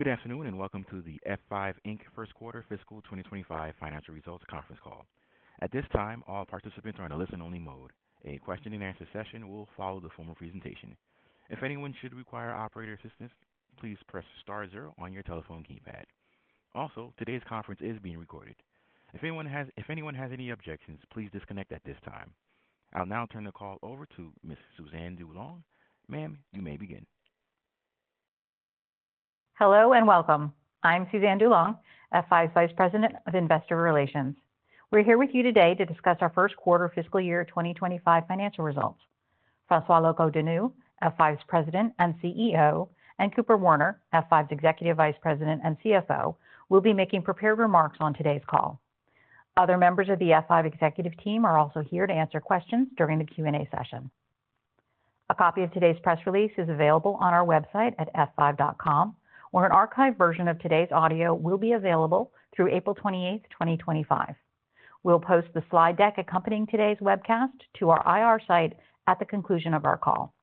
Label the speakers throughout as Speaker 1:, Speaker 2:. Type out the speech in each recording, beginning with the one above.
Speaker 1: Good afternoon and welcome to the F5, Inc. Q1 FY2025 Financial Results Conference Call. At this time, all participants are in a listen-only mode. A question-and-answer session will follow the formal presentation. If anyone should require operator assistance, please press Star zero on your telephone keypad. Also, today's conference is being recorded. If anyone has any objections, please disconnect at this time. I'll now turn the call over to Ms. Suzanne DuLong. Ma'am, you may begin.
Speaker 2: Hello and welcome. I'm Suzanne DuLong, F5's Vice President of Investor Relations. We're here with you today to discuss our Q1 FY2025 Financial Results. François Locoh-Donou, F5's President and CEO, and Cooper Werner, F5's Executive Vice President and CFO, will be making prepared remarks on today's call. Other members of the F5 executive team are also here to answer questions during the Q&A session. A copy of today's press release is available on our website at f5.com, where an archived version of today's audio will be available through April 28, 2025. We'll post the slide deck accompanying today's webcast to our IR site at the conclusion of our call.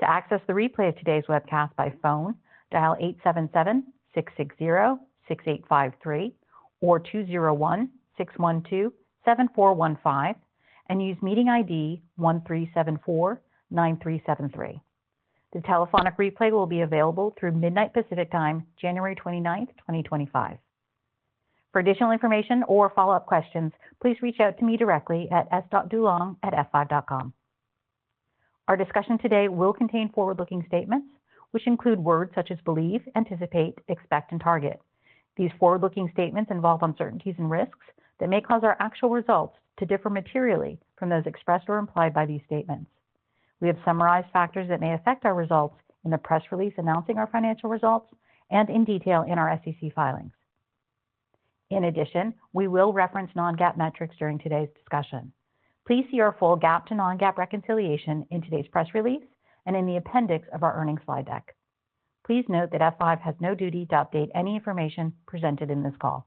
Speaker 2: To access the replay of today's webcast by phone, dial 877-660-6853 or 201-612-7415 and use meeting ID 1374-9373. The telephonic replay will be available through midnight Pacific time, January 29, 2025. For additional information or follow-up questions, please reach out to me directly at s.dulong@f5.com. Our discussion today will contain forward-looking statements, which include words such as believe, anticipate, expect, and target. These forward-looking statements involve uncertainties and risks that may cause our actual results to differ materially from those expressed or implied by these statements. We have summarized factors that may affect our results in the press release announcing our financial results and in detail in our SEC filings. In addition, we will reference non-GAAP metrics during today's discussion. Please see our full GAAP to non-GAAP reconciliation in today's press release and in the appendix of our earnings slide deck. Please note that F5 has no duty to update any information presented in this call.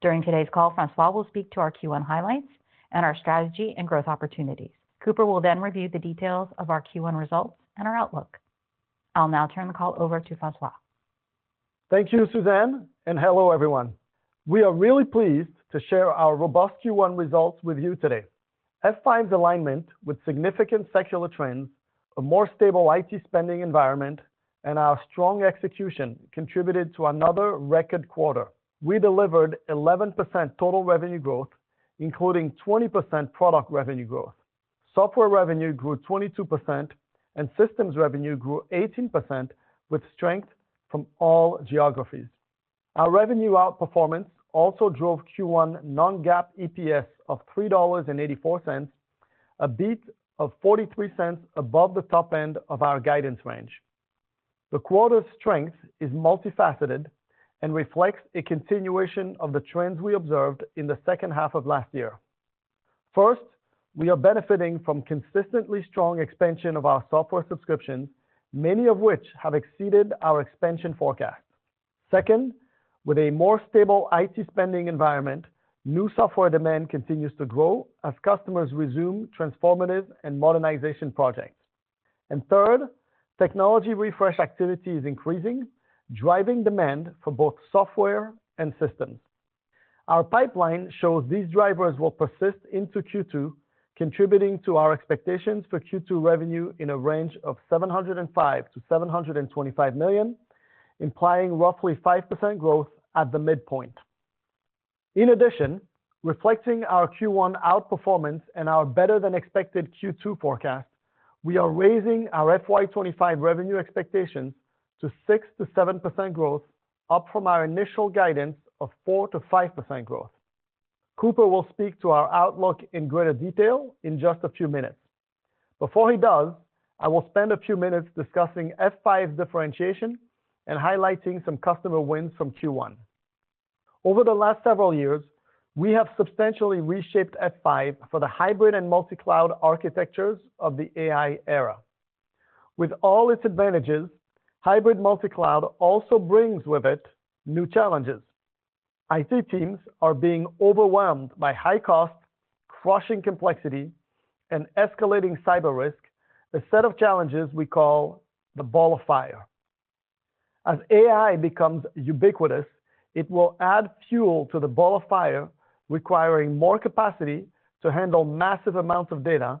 Speaker 2: During today's call, François will speak to our Q1 highlights and our strategy and growth opportunities. Cooper will then review the details of our Q1 results and our outlook. I'll now turn the call over to François.
Speaker 3: Thank you, Suzanne, and hello, everyone. We are really pleased to share our robust Q1 results with you today. F5's alignment with significant secular trends, a more stable IT spending environment, and our strong execution contributed to another record quarter. We delivered 11% total revenue growth, including 20% product revenue growth. Software revenue grew 22%, and systems revenue grew 18%, with strength from all geographies. Our revenue outperformance also drove Q1 Non-GAAP EPS of $3.84, a beat of $0.43 above the top end of our guidance range. The quarter's strength is multifaceted and reflects a continuation of the trends we observed in the second half of last year. First, we are benefiting from consistently strong expansion of our software subscriptions, many of which have exceeded our expansion forecasts. Second, with a more stable IT spending environment, new software demand continues to grow as customers resume transformative and modernization projects. Third, technology refresh activity is increasing, driving demand for both software and systems. Our pipeline shows these drivers will persist into Q2, contributing to our expectations for Q2 revenue in a range of $705 million-$725 million, implying roughly 5% growth at the midpoint. In addition, reflecting our Q1 outperformance and our better-than-expected Q2 forecast, we are raising our FY2025 revenue expectations to 6%-7% growth, up from our initial guidance of 4%-5% growth. Cooper will speak to our outlook in greater detail in just a few minutes. Before he does, I will spend a few minutes discussing F5's differentiation and highlighting some customer wins from Q1. Over the last several years, we have substantially reshaped F5 for the hybrid and multi-cloud architectures of the AI era. With all its advantages, hybrid multi-cloud also brings with it new challenges. IT teams are being overwhelmed by high costs, crushing complexity, and escalating cyber risk, a set of challenges we call the ball of fire. As AI becomes ubiquitous, it will add fuel to the ball of fire, requiring more capacity to handle massive amounts of data,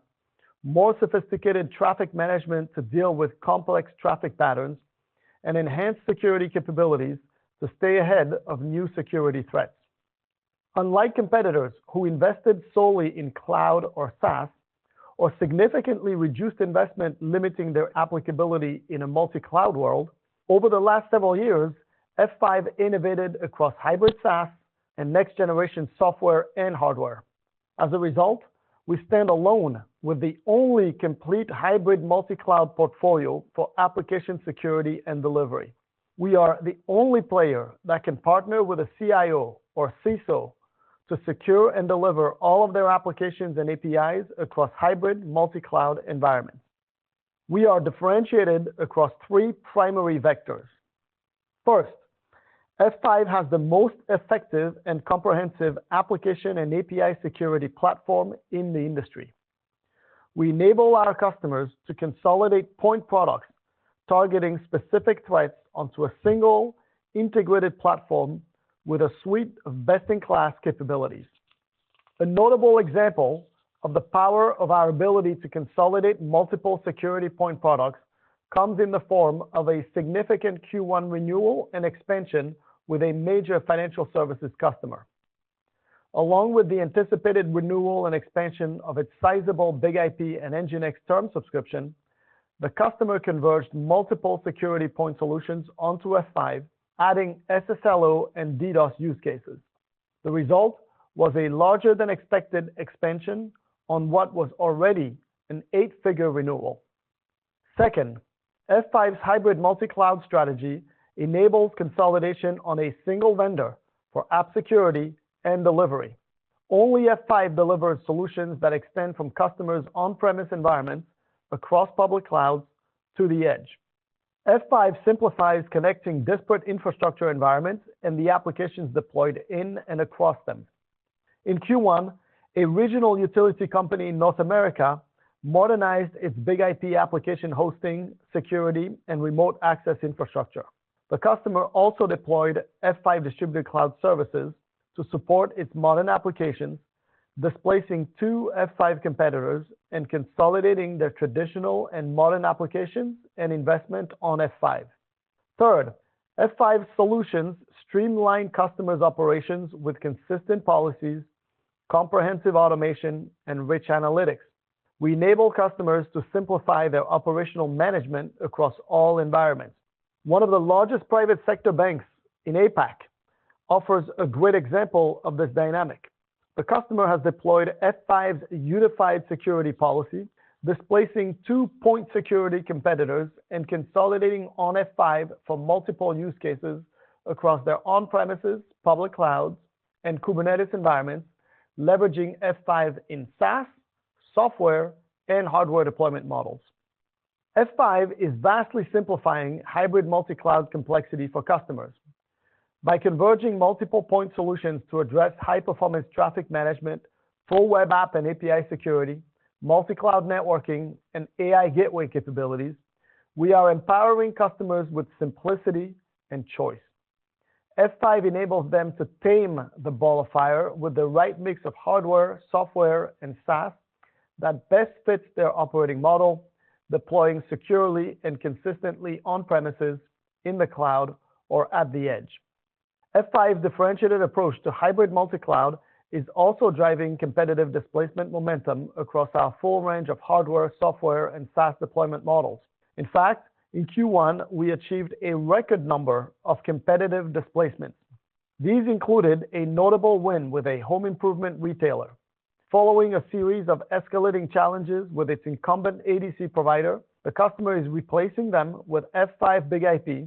Speaker 3: more sophisticated traffic management to deal with complex traffic patterns, and enhanced security capabilities to stay ahead of new security threats. Unlike competitors who invested solely in cloud or SaaS or significantly reduced investment limiting their applicability in a multi-cloud world, over the last several years, F5 innovated across hybrid SaaS and next-generation software and hardware. As a result, we stand alone with the only complete hybrid multi-cloud portfolio for application security and delivery. We are the only player that can partner with a CIO or CISO to secure and deliver all of their applications and APIs across hybrid multi-cloud environments. We are differentiated across three primary vectors. First, F5 has the most effective and comprehensive application and API security platform in the industry. We enable our customers to consolidate point products targeting specific threats onto a single integrated platform with a suite of best-in-class capabilities. A notable example of the power of our ability to consolidate multiple security point products comes in the form of a significant Q1 renewal and expansion with a major financial services customer. Along with the anticipated renewal and expansion of its sizable BIG-IP and NGINX term subscription, the customer converged multiple security point solutions onto F5, adding SSLO and DDoS use cases. The result was a larger-than-expected expansion on what was already an eight-figure renewal. Second, F5's hybrid multi-cloud strategy enables consolidation on a single vendor for app security and delivery. Only F5 delivers solutions that extend from customers' on-premises environments across public clouds to the edge. F5 simplifies connecting disparate infrastructure environments and the applications deployed in and across them. In Q1, a regional utility company in North America modernized its BIG-IP application hosting, security, and remote access infrastructure. The customer also deployed F5 Distributed Cloud Services to support its modern applications, displacing two F5 competitors and consolidating their traditional and modern applications and investment on F5. Third, F5's solutions streamline customers' operations with consistent policies, comprehensive automation, and rich analytics. We enable customers to simplify their operational management across all environments. One of the largest private sector banks in APAC offers a great example of this dynamic. The customer has deployed F5's unified security policy, displacing two point security competitors and consolidating on F5 for multiple use cases across their on-premises, public clouds, and Kubernetes environments, leveraging F5 in SaaS, software, and hardware deployment models. F5 is vastly simplifying hybrid multi-cloud complexity for customers. By converging multiple point solutions to address high-performance traffic management for web app and API security, multi-cloud networking, and AI gateway capabilities, we are empowering customers with simplicity and choice. F5 enables them to tame the ball of fire with the right mix of hardware, software, and SaaS that best fits their operating model, deploying securely and consistently on-premises, in the cloud, or at the edge. F5's differentiated approach to hybrid multi-cloud is also driving competitive displacement momentum across our full range of hardware, software, and SaaS deployment models. In fact, in Q1, we achieved a record number of competitive displacements. These included a notable win with a home improvement retailer. Following a series of escalating challenges with its incumbent ADC provider, the customer is replacing them with F5 BIG-IP,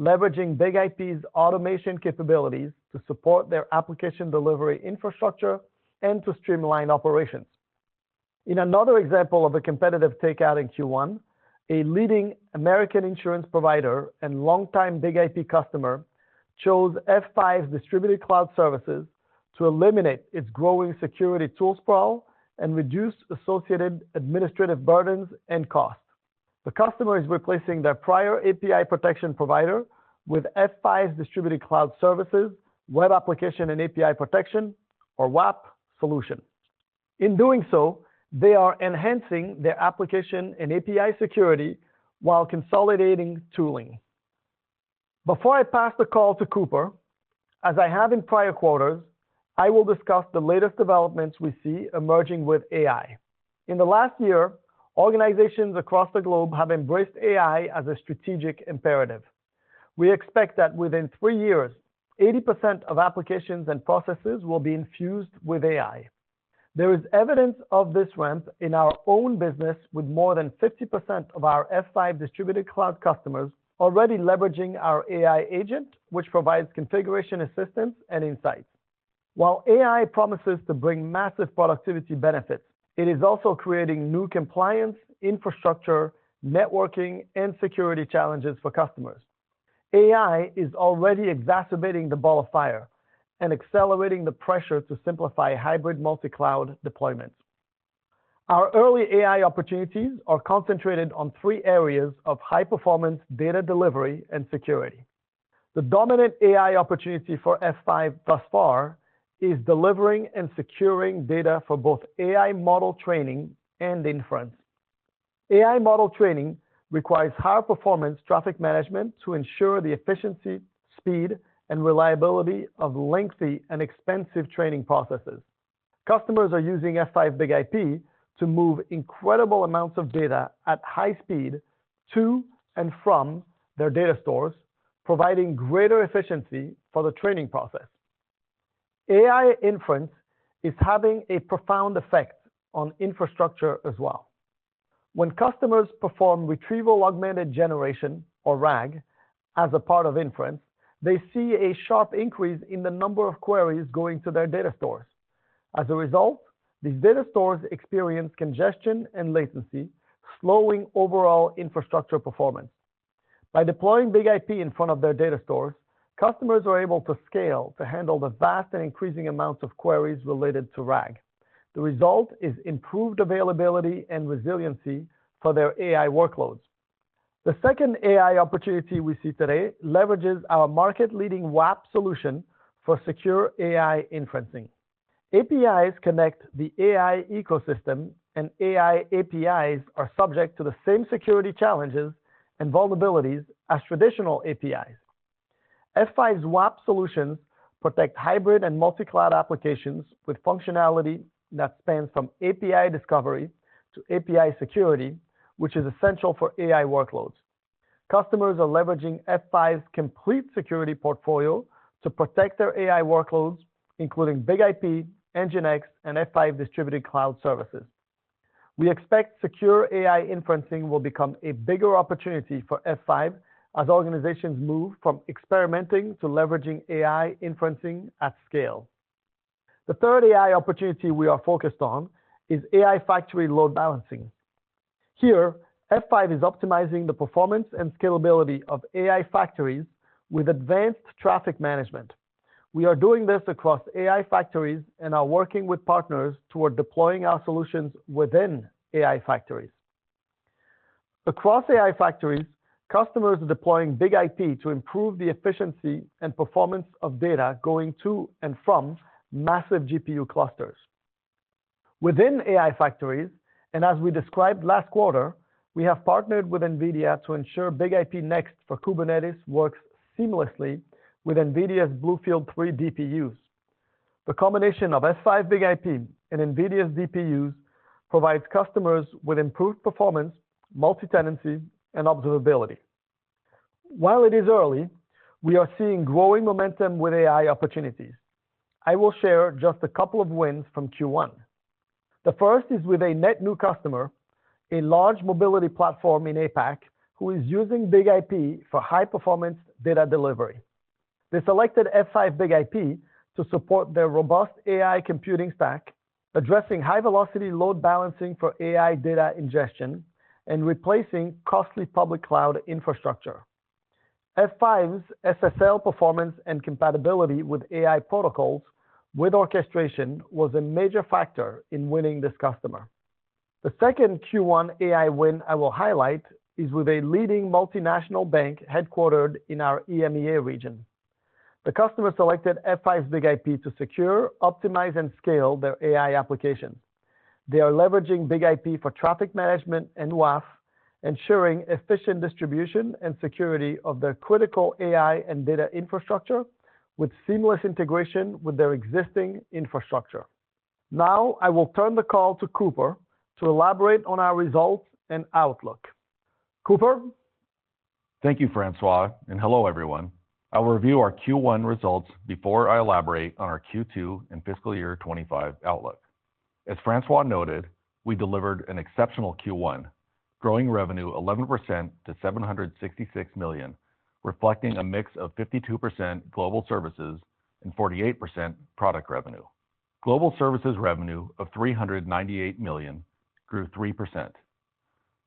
Speaker 3: leveraging BIG-IP's automation capabilities to support their application delivery infrastructure and to streamline operations. In another example of a competitive takeout in Q1, a leading American insurance provider and longtime BIG-IP customer chose F5's Distributed Cloud Services to eliminate its growing security tool sprawl and reduce associated administrative burdens and costs. The customer is replacing their prior API protection provider with F5's Distributed Cloud Services, web application and API protection, or WAAP solution. In doing so, they are enhancing their application and API security while consolidating tooling. Before I pass the call to Cooper, as I have in prior quarters, I will discuss the latest developments we see emerging with AI. In the last year, organizations across the globe have embraced AI as a strategic imperative. We expect that within three years, 80% of applications and processes will be infused with AI. There is evidence of this ramp in our own business, with more than 50% of our F5 Distributed Cloud customers already leveraging our AI agent, which provides configuration assistance and insights. While AI promises to bring massive productivity benefits, it is also creating new compliance, infrastructure, networking, and security challenges for customers. AI is already exacerbating the ball of fire and accelerating the pressure to simplify hybrid multi-cloud deployments. Our early AI opportunities are concentrated on three areas of high-performance data delivery and security. The dominant AI opportunity for F5 thus far is delivering and securing data for both AI model training and inference. AI model training requires higher performance traffic management to ensure the efficiency, speed, and reliability of lengthy and expensive training processes. Customers are using F5 BIG-IP to move incredible amounts of data at high speed to and from their data stores, providing greater efficiency for the training process. AI inference is having a profound effect on infrastructure as well. When customers perform retrieval augmented generation, or RAG, as a part of inference, they see a sharp increase in the number of queries going to their data stores. As a result, these data stores experience congestion and latency, slowing overall infrastructure performance. By deploying BIG-IP in front of their data stores, customers are able to scale to handle the vast and increasing amounts of queries related to RAG. The result is improved availability and resiliency for their AI workloads. The second AI opportunity we see today leverages our market-leading WAAP solution for secure AI inferencing. APIs connect the AI ecosystem, and AI APIs are subject to the same security challenges and vulnerabilities as traditional APIs. F5's WAAP solutions protect hybrid and multi-cloud applications with functionality that spans from API discovery to API security, which is essential for AI workloads. Customers are leveraging F5's complete security portfolio to protect their AI workloads, including BIG-IP, NGINX, and F5 Distributed Cloud Services. We expect secure AI inferencing will become a bigger opportunity for F5 as organizations move from experimenting to leveraging AI inferencing at scale. The third AI opportunity we are focused on is AI Factory load balancing. Here, F5 is optimizing the performance and scalability of AI factories with advanced traffic management. We are doing this across AI factories and are working with partners toward deploying our solutions within AI factories. Across AI factories, customers are deploying BIG-IP to improve the efficiency and performance of data going to and from massive GPU clusters. Within AI factories, and as we described last quarter, we have partnered with NVIDIA to ensure BIG-IP Next for Kubernetes works seamlessly with NVIDIA's BlueField-3 DPUs. The combination of F5 BIG-IP and NVIDIA's DPUs provides customers with improved performance, multi-tenancy, and observability. While it is early, we are seeing growing momentum with AI opportunities. I will share just a couple of wins from Q1. The first is with a net new customer, a large mobility platform in APAC, who is using BIG-IP for high-performance data delivery. They selected F5 BIG-IP to support their robust AI computing stack, addressing high-velocity load balancing for AI data ingestion and replacing costly public cloud infrastructure. F5's SSL performance and compatibility with AI protocols with orchestration was a major factor in winning this customer. The second Q1 AI win I will highlight is with a leading multinational bank headquartered in our EMEA region. The customer selected F5's BIG-IP to secure, optimize, and scale their AI applications. They are leveraging BIG-IP for traffic management and WAF, ensuring efficient distribution and security of their critical AI and data infrastructure with seamless integration with their existing infrastructure. Now, I will turn the call to Cooper to elaborate on our results and outlook. Cooper?
Speaker 4: Thank you, François, and hello, everyone. I will review our Q1 results before I elaborate on our Q2 and FY2025 outlook. As François noted, we delivered an exceptional Q1, growing revenue 11% to $766 million, reflecting a mix of 52% Global Services and 48% product revenue. Global Services revenue of $398 million grew 3%.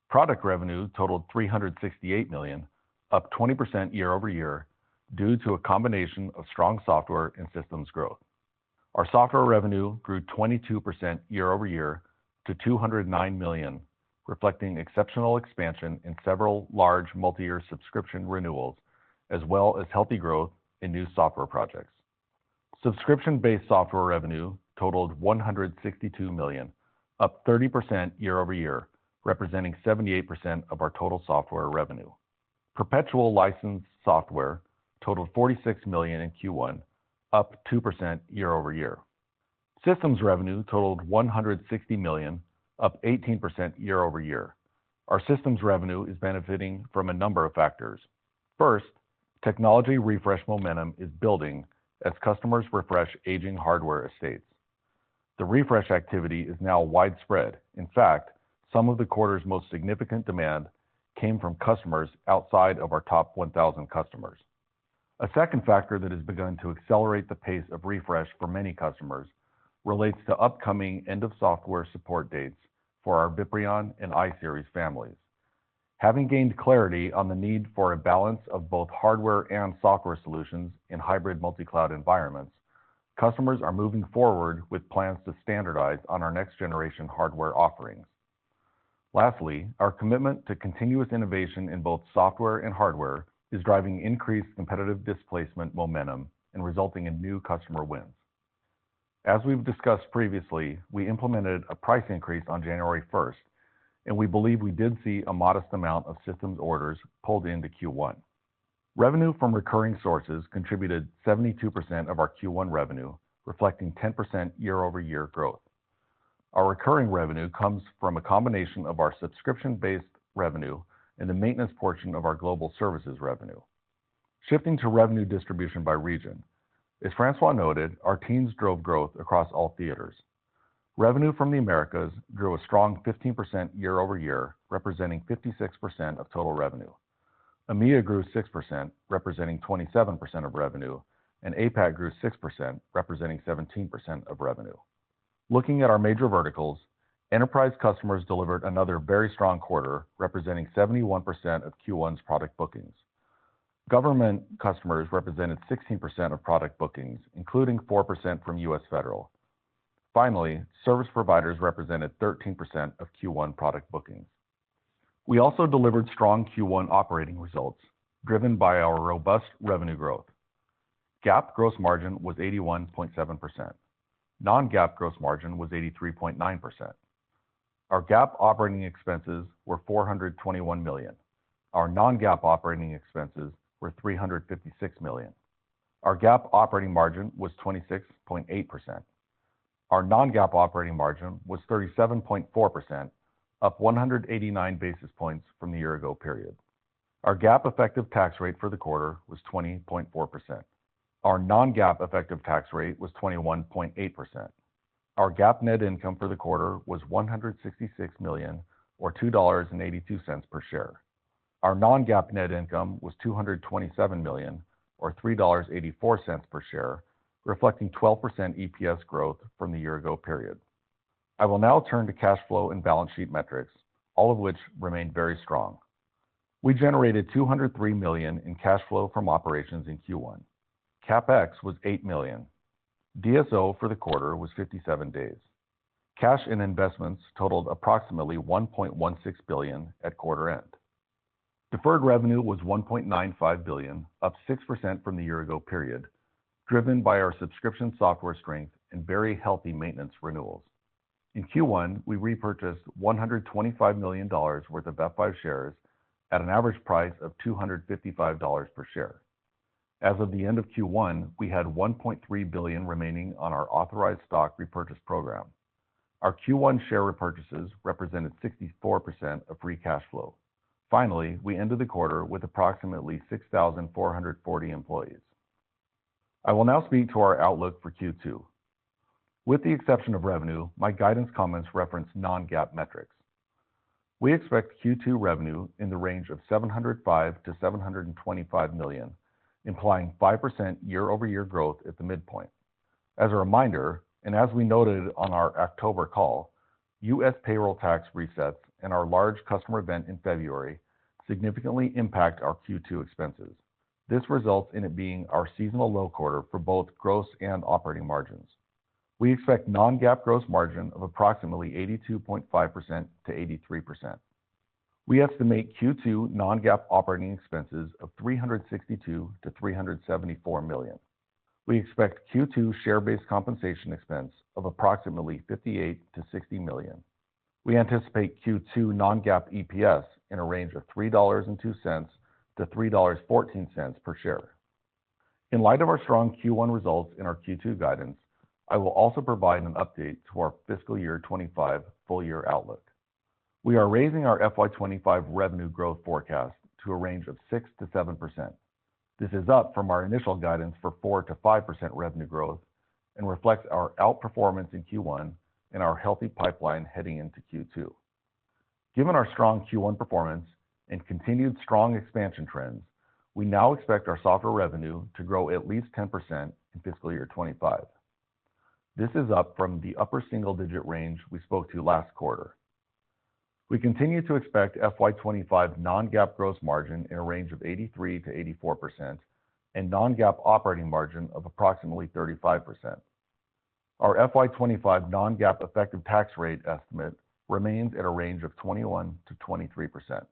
Speaker 4: Product revenue totaled $368 million, up 20% year-over-year due to a combination of strong software and systems growth. Our software revenue grew 22% year-over-year to $209 million, reflecting exceptional expansion in several large multi-year subscription renewals, as well as healthy growth in new software projects. Subscription-based software revenue totaled $162 million, up 30% year-over-year, representing 78% of our total software revenue. Perpetual licensed software totaled $46 million in Q1, up 2% year-over-year. Systems revenue totaled $160 million, up 18% year-over-year. Our systems revenue is benefiting from a number of factors. First, technology refresh momentum is building as customers refresh aging hardware estates. The refresh activity is now widespread. In fact, some of the quarter's most significant demand came from customers outside of our top 1,000 customers. A second factor that has begun to accelerate the pace of refresh for many customers relates to upcoming end-of-software support dates for our VIPRION and iSeries families. Having gained clarity on the need for a balance of both hardware and software solutions in hybrid multi-cloud environments, customers are moving forward with plans to standardize on our next-generation hardware offerings. Lastly, our commitment to continuous innovation in both software and hardware is driving increased competitive displacement momentum and resulting in new customer wins. As we've discussed previously, we implemented a price increase on January 1st, and we believe we did see a modest amount of systems orders pulled into Q1. Revenue from recurring sources contributed 72% of our Q1 revenue, reflecting 10% year-over-year growth. Our recurring revenue comes from a combination of our subscription-based revenue and the maintenance portion of our Global Services revenue. Shifting to revenue distribution by region, as François noted, our teams drove growth across all theaters. Revenue from the Americas grew a strong 15% year-over-year, representing 56% of total revenue. EMEA grew 6%, representing 27% of revenue, and APAC grew 6%, representing 17% of revenue. Looking at our major verticals, enterprise customers delivered another very strong quarter, representing 71% of Q1's product bookings. Government customers represented 16% of product bookings, including 4% from U.S. Federal. Finally, service providers represented 13% of Q1 product bookings. We also delivered strong Q1 operating results, driven by our robust revenue growth. GAAP gross margin was 81.7%. Non-GAAP gross margin was 83.9%. Our GAAP operating expenses were $421 million. Our non-GAAP operating expenses were $356 million. Our GAAP operating margin was 26.8%. Our non-GAAP operating margin was 37.4%, up 189 basis points from the year-ago period. Our GAAP effective tax rate for the quarter was 20.4%. Our non-GAAP effective tax rate was 21.8%. Our GAAP net income for the quarter was $166 million, or $2.82 per share. Our non-GAAP net income was $227 million, or $3.84 per share, reflecting 12% EPS growth from the year-ago period. I will now turn to cash flow and balance sheet metrics, all of which remained very strong. We generated $203 million in cash flow from operations in Q1. CapEx was $8 million. DSO for the quarter was 57 days. Cash and investments totaled approximately $1.16 billion at quarter end. Deferred revenue was $1.95 billion, up 6% from the year-ago period, driven by our subscription software strength and very healthy maintenance renewals. In Q1, we repurchased $125 million worth of F5 shares at an average price of $255 per share. As of the end of Q1, we had $1.3 billion remaining on our authorized stock repurchase program. Our Q1 share repurchases represented 64% of free cash flow. Finally, we ended the quarter with approximately 6,440 employees. I will now speak to our outlook for Q2. With the exception of revenue, my guidance comments reference non-GAAP metrics. We expect Q2 revenue in the range of $705-$725 million, implying 5% year-over-year growth at the midpoint. As a reminder, and as we noted on our October call, U.S. payroll tax resets and our large customer event in February significantly impact our Q2 expenses. This results in it being our seasonal low quarter for both gross and operating margins. We expect non-GAAP gross margin of approximately 82.5%-83%. We estimate Q2 non-GAAP operating expenses of $362-$374 million. We expect Q2 share-based compensation expense of approximately $58-$60 million. We anticipate Q2 non-GAAP EPS in a range of $3.02-$3.14 per share. In light of our strong Q1 results in our Q2 guidance, I will also provide an update to our FY2025 full-year outlook. We are raising our FY2025 revenue growth forecast to a range of 6%-7%. This is up from our initial guidance for 4%-5% revenue growth and reflects our outperformance in Q1 and our healthy pipeline heading into Q2. Given our strong Q1 performance and continued strong expansion trends, we now expect our software revenue to grow at least 10% in FY2025. This is up from the upper single-digit range we spoke to last quarter. We continue to expect FY2025 Non-GAAP gross margin in a range of 83%-84% and Non-GAAP operating margin of approximately 35%. Our FY25 Non-GAAP effective tax rate estimate remains at a range of 21%-23%.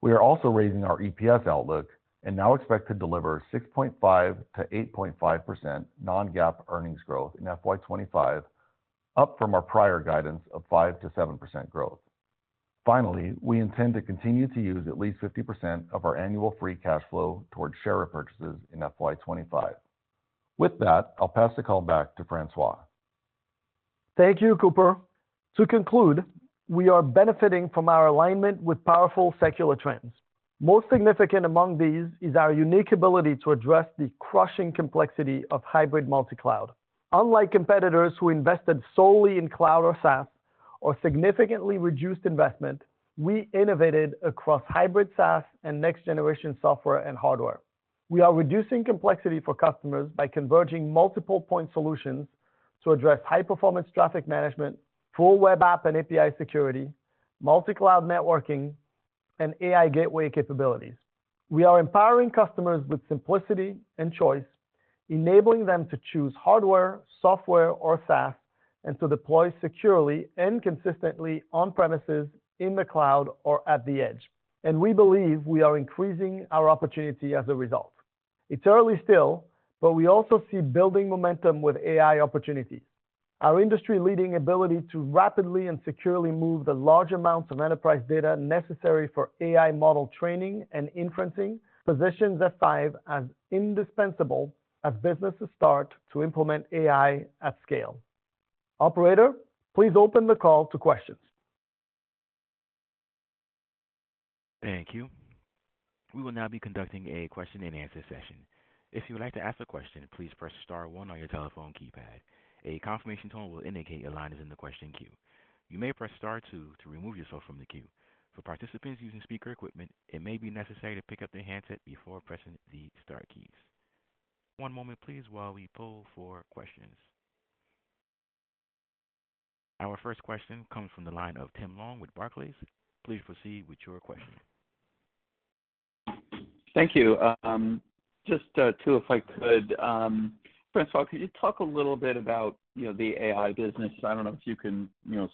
Speaker 4: We are also raising our EPS outlook and now expect to deliver 6.5%-8.5% Non-GAAP earnings growth in FY2025, up from our prior guidance of 5%-7% growth. Finally, we intend to continue to use at least 50% of our annual free cash flow toward share repurchases in FY2025. With that, I'll pass the call back to François.
Speaker 3: Thank you, Cooper. To conclude, we are benefiting from our alignment with powerful secular trends. Most significant among these is our unique ability to address the crushing complexity of hybrid multi-cloud. Unlike competitors who invested solely in cloud or SaaS or significantly reduced investment, we innovated across hybrid SaaS and next-generation software and hardware. We are reducing complexity for customers by converging multiple point solutions to address high-performance traffic management, full web app and API security, multi-cloud networking, and AI gateway capabilities. We are empowering customers with simplicity and choice, enabling them to choose hardware, software, or SaaS, and to deploy securely and consistently on-premises, in the cloud, or at the edge. And we believe we are increasing our opportunity as a result. It's early still, but we also see building momentum with AI opportunities. Our industry-leading ability to rapidly and securely move the large amounts of enterprise data necessary for AI model training and inferencing positions F5 as indispensable as businesses start to implement AI at scale. Operator, please open the call to questions.
Speaker 1: Thank You. We will now be conducting a question-and-answer session. If you would like to ask a question, please press Star 1 on your telephone keypad. A confirmation tone will indicate your line is in the question queue. You may press Star 2 to remove yourself from the queue. For participants using speaker equipment, it may be necessary to pick up their handset before pressing the star keys. One moment, please, while we poll for questions. Our first question comes from the line of Tim Long with Barclays. Please proceed with your question.
Speaker 5: Thank you. Just to, if I could, François, could you talk a little bit about the AI business? I don't know if you can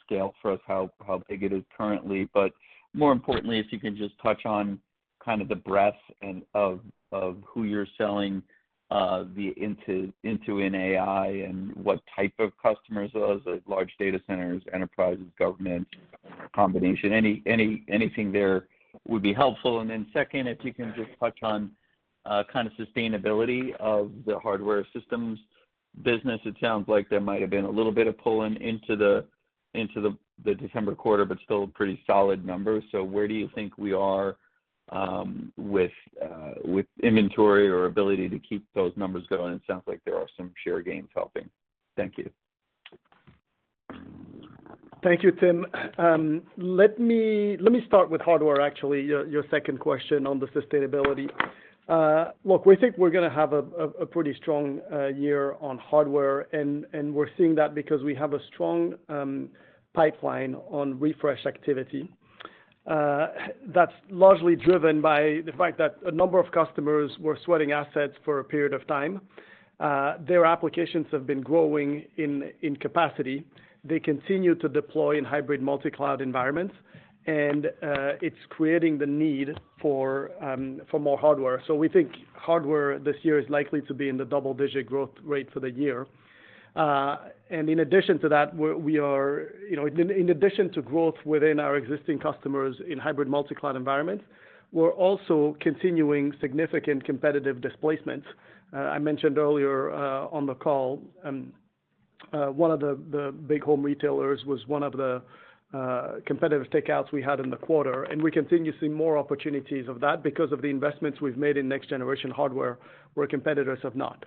Speaker 5: scale for us how big it is currently, but more importantly, if you can just touch on kind of the breadth of who you're selling in AI and what type of customers those are: large data centers, enterprises, government, a combination, anything there would be helpful. And then second, if you can just touch on kind of sustainability of the hardware systems business. It sounds like there might have been a little bit of pulling into the December quarter, but still pretty solid numbers. So where do you think we are with inventory or ability to keep those numbers going? It sounds like there are some share gains helping. Thank you.
Speaker 3: Thank you, Tim. Let me start with hardware, actually, your second question on the sustainability. Look, we think we're going to have a pretty strong year on hardware, and we're seeing that because we have a strong pipeline on refresh activity. That's largely driven by the fact that a number of customers were sweating assets for a period of time. Their applications have been growing in capacity. They continue to deploy in hybrid multi-cloud environments, and it's creating the need for more hardware, so we think hardware this year is likely to be in the double-digit growth rate for the year, and in addition to that, in addition to growth within our existing customers in hybrid multi-cloud environments, we're also continuing significant competitive displacements. I mentioned earlier on the call, one of the big home retailers was one of the competitive takeouts we had in the quarter, and we continue to see more opportunities of that because of the investments we've made in next-generation hardware where competitors have not.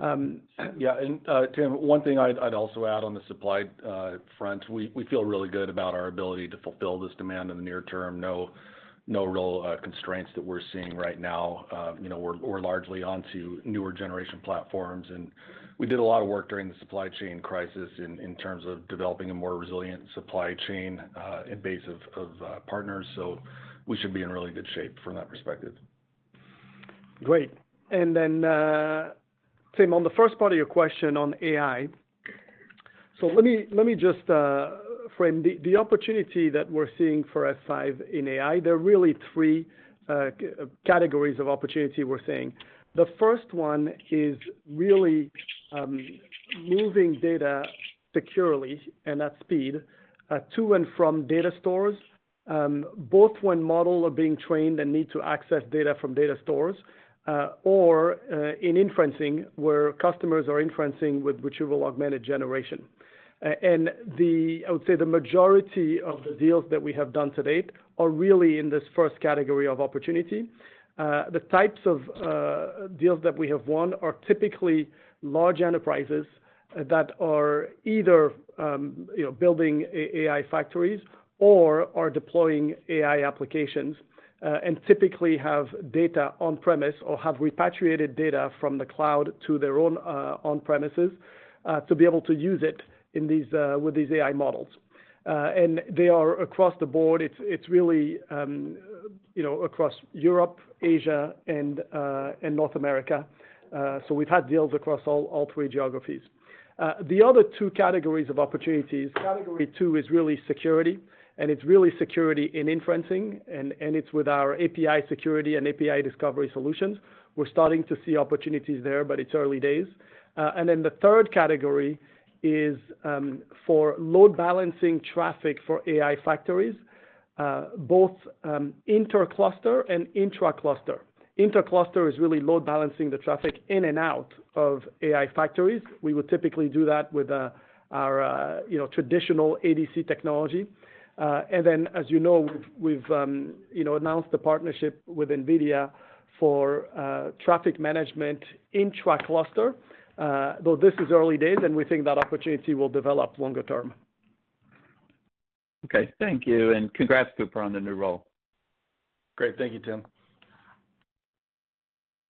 Speaker 3: Yeah.
Speaker 4: And Tim, one thing I'd also add on the supply front, we feel really good about our ability to fulfill this demand in the near term. No real constraints that we're seeing right now. We're largely onto newer generation platforms, and we did a lot of work during the supply chain crisis in terms of developing a more resilient supply chain with a base of partners. So we should be in really good shape from that perspective.
Speaker 3: Great. And then, Tim, on the first part of your question on AI, so let me just frame the opportunity that we're seeing for F5 in AI. There are really three categories of opportunity we're seeing. The first one is really moving data securely and at speed to and from data stores, both when models are being trained and need to access data from data stores, or in inferencing where customers are inferencing with retrieval augmented generation, and I would say the majority of the deals that we have done to date are really in this first category of opportunity. The types of deals that we have won are typically large enterprises that are either building AI factories or are deploying AI applications and typically have data on-premises or have repatriated data from the cloud to their own on-premises to be able to use it with these AI models, and they are across the board. It's really across Europe, Asia, and North America, so we've had deals across all three geographies. The other two categories of opportunities, category two is really security, and it's really security in inferencing, and it's with our API security and API discovery solutions. We're starting to see opportunities there, but it's early days. And then the third category is for load balancing traffic for AI factories, both inter-cluster and intra-cluster. Inter-cluster is really load balancing the traffic in and out of AI factories. We would typically do that with our traditional ADC technology. And then, as you know, we've announced a partnership with NVIDIA for traffic management intra-cluster, though this is early days, and we think that opportunity will develop longer term.
Speaker 5: Okay. Thank you. And congrats, Cooper, on the new role.
Speaker 4: Great. Thank you, Tim.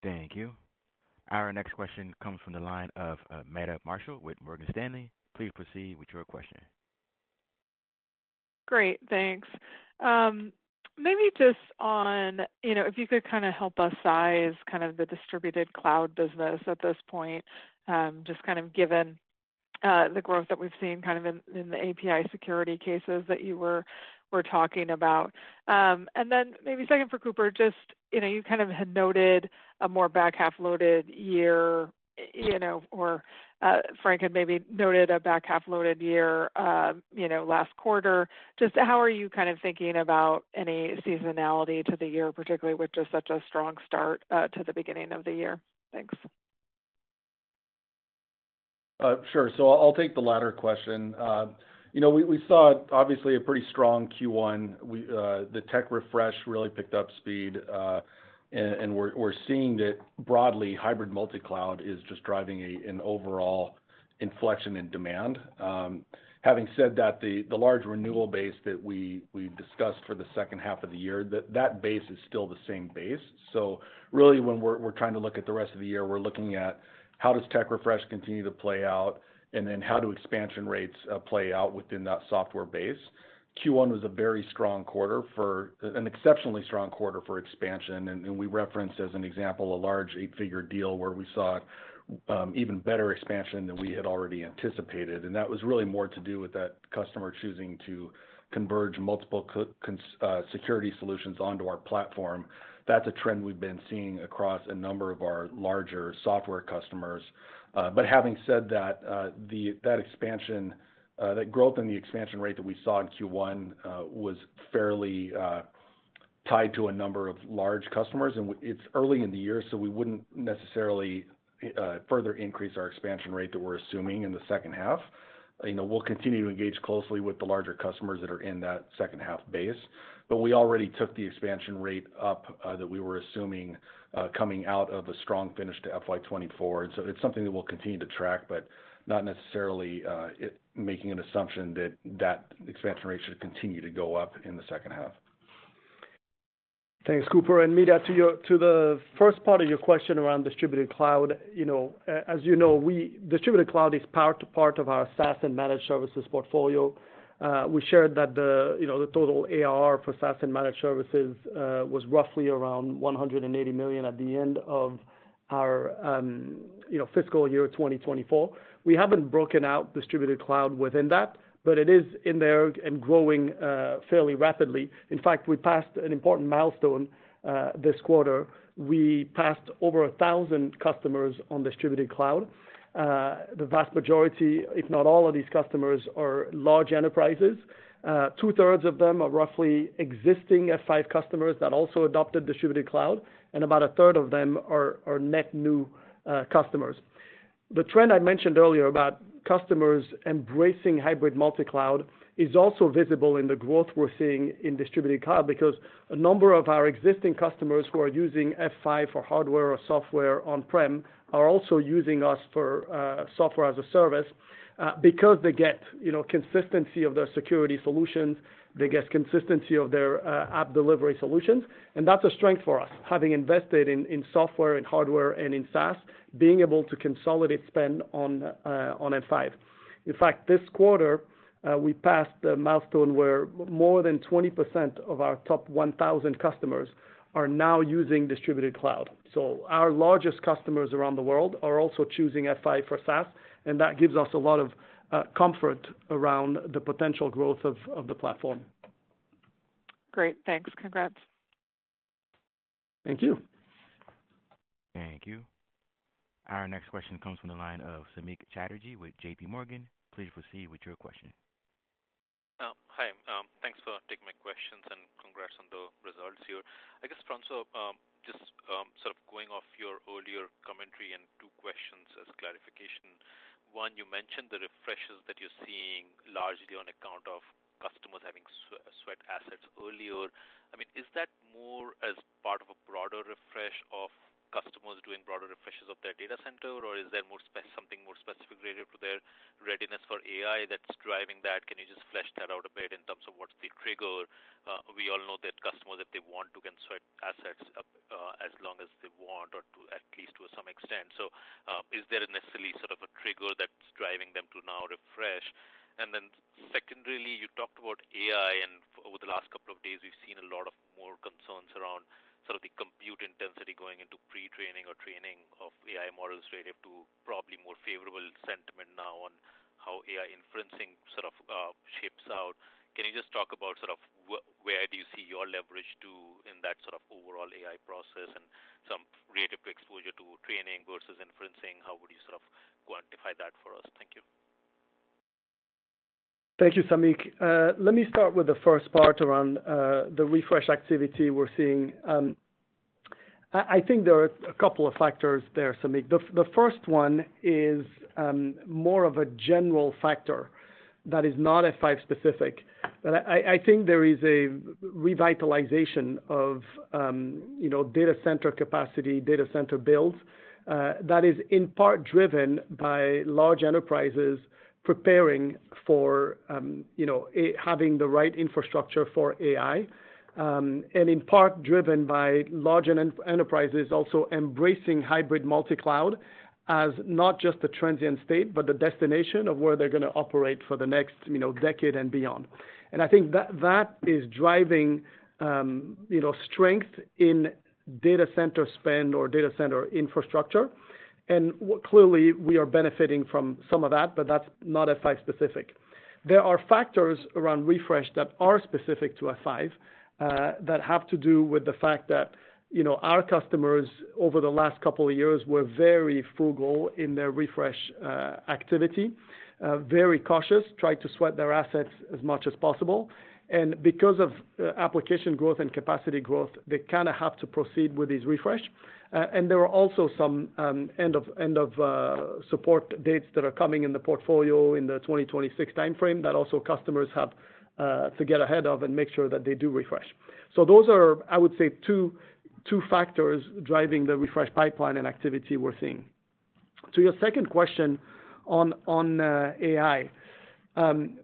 Speaker 1: Thank you. Our next question comes from the line of Meta Marshall with Morgan Stanley. Please proceed with your question.
Speaker 6: Great. Thanks. Maybe just on if you could kind of help us size kind of the Distributed Cloud business at this point, just kind of given the growth that we've seen kind of in the API security cases that you were talking about. And then maybe second for Cooper, just you kind of had noted a more back-half-loaded year, or Frank had maybe noted a back-half-loaded year last quarter. Just how are you kind of thinking about any seasonality to the year, particularly with just such a strong start to the beginning of the year? Thanks.
Speaker 4: Sure. So I'll take the latter question. We saw, obviously, a pretty strong Q1. The tech refresh really picked up speed, and we're seeing that broadly. Hybrid multi-cloud is just driving an overall inflection in demand. Having said that, the large renewal base that we discussed for the second half of the year, that base is still the same base. So really, when we're trying to look at the rest of the year, we're looking at how does tech refresh continue to play out, and then how do expansion rates play out within that software base? Q1 was a very strong quarter, an exceptionally strong quarter for expansion. And we referenced as an example a large eight-figure deal where we saw even better expansion than we had already anticipated. And that was really more to do with that customer choosing to converge multiple security solutions onto our platform. That's a trend we've been seeing across a number of our larger software customers. But having said that, that growth in the expansion rate that we saw in Q1 was fairly tied to a number of large customers. It's early in the year, so we wouldn't necessarily further increase our expansion rate that we're assuming in the second half. We'll continue to engage closely with the larger customers that are in that second-half base. But we already took the expansion rate up that we were assuming coming out of a strong finish to FY24. And so it's something that we'll continue to track, but not necessarily making an assumption that that expansion rate should continue to go up in the second half.
Speaker 3: Thanks, Cooper. And Meta, to the first part of your question around Distributed Cloud, as you know, Distributed Cloud is part of our SaaS and managed services portfolio. We shared that the total ARR for SaaS and managed services was roughly around $180 million at the end of our FY2024. We haven't broken out Distributed Cloud within that, but it is in there and growing fairly rapidly. In fact, we passed an important milestone this quarter. We passed over 1,000 customers on Distributed Cloud. The vast majority, if not all of these customers, are large enterprises. Two-thirds of them are roughly existing F5 customers that also adopted Distributed Cloud, and about a third of them are net new customers. The trend I mentioned earlier about customers embracing hybrid multi-cloud is also visible in the growth we're seeing in Distributed Cloud because a number of our existing customers who are using F5 for hardware or software on-prem are also using us for software as a service because they get consistency of their security solutions, they get consistency of their app delivery solutions. And that's a strength for us, having invested in software and hardware and in SaaS, being able to consolidate spend on F5. In fact, this quarter, we passed the milestone where more than 20% of our top 1,000 customers are now using Distributed Cloud. So our largest customers around the world are also choosing F5 for SaaS, and that gives us a lot of comfort around the potential growth of the platform.
Speaker 6: Great. Thanks. Congrats.
Speaker 3: Thank you.
Speaker 1: Thank you. Our next question comes from the line of Samik Chatterjee with JPMorgan. Please proceed with your question.
Speaker 7: Hi. Thanks for taking my questions and congrats on the results here. I guess, François, just sort of going off your earlier commentary and two questions as clarification. One, you mentioned the refreshes that you're seeing largely on account of customers having sweated assets earlier. I mean, is that more as part of a broader refresh of customers doing broader refreshes of their data center, or is there something more specific related to their readiness for AI that's driving that? Can you just flesh that out a bit in terms of what's the trigger? We all know that customers, if they want to, can keep assets as long as they want or at least to some extent. So is there necessarily sort of a trigger that's driving them to now refresh? And then secondarily, you talked about AI, and over the last couple of days, we've seen a lot of more concerns around sort of the compute intensity going into pre-training or training of AI models relative to probably more favorable sentiment now on how AI inferencing sort of plays out. Can you just talk about sort of where do you see your leverage in that sort of overall AI process and relative to exposure to training versus inferencing? How would you sort of quantify that for us? Thank you.
Speaker 3: Thank you, Samik. Let me start with the first part around the refresh activity we're seeing. I think there are a couple of factors there, Samik. The first one is more of a general factor that is not F5-specific. I think there is a revitalization of data center capacity, data center builds that is in part driven by large enterprises preparing for having the right infrastructure for AI and in part driven by large enterprises also embracing hybrid multi-cloud as not just the transient state, but the destination of where they're going to operate for the next decade and beyond. And I think that is driving strength in data center spend or data center infrastructure. And clearly, we are benefiting from some of that, but that's not F5-specific. There are factors around refresh that are specific to F5 that have to do with the fact that our customers over the last couple of years were very frugal in their refresh activity, very cautious, tried to sweat their assets as much as possible. And because of application growth and capacity growth, they kind of have to proceed with these refresh. And there are also some end-of-support dates that are coming in the portfolio in the 2026 timeframe that also customers have to get ahead of and make sure that they do refresh. So those are, I would say, two factors driving the refresh pipeline and activity we're seeing. To your second question on AI,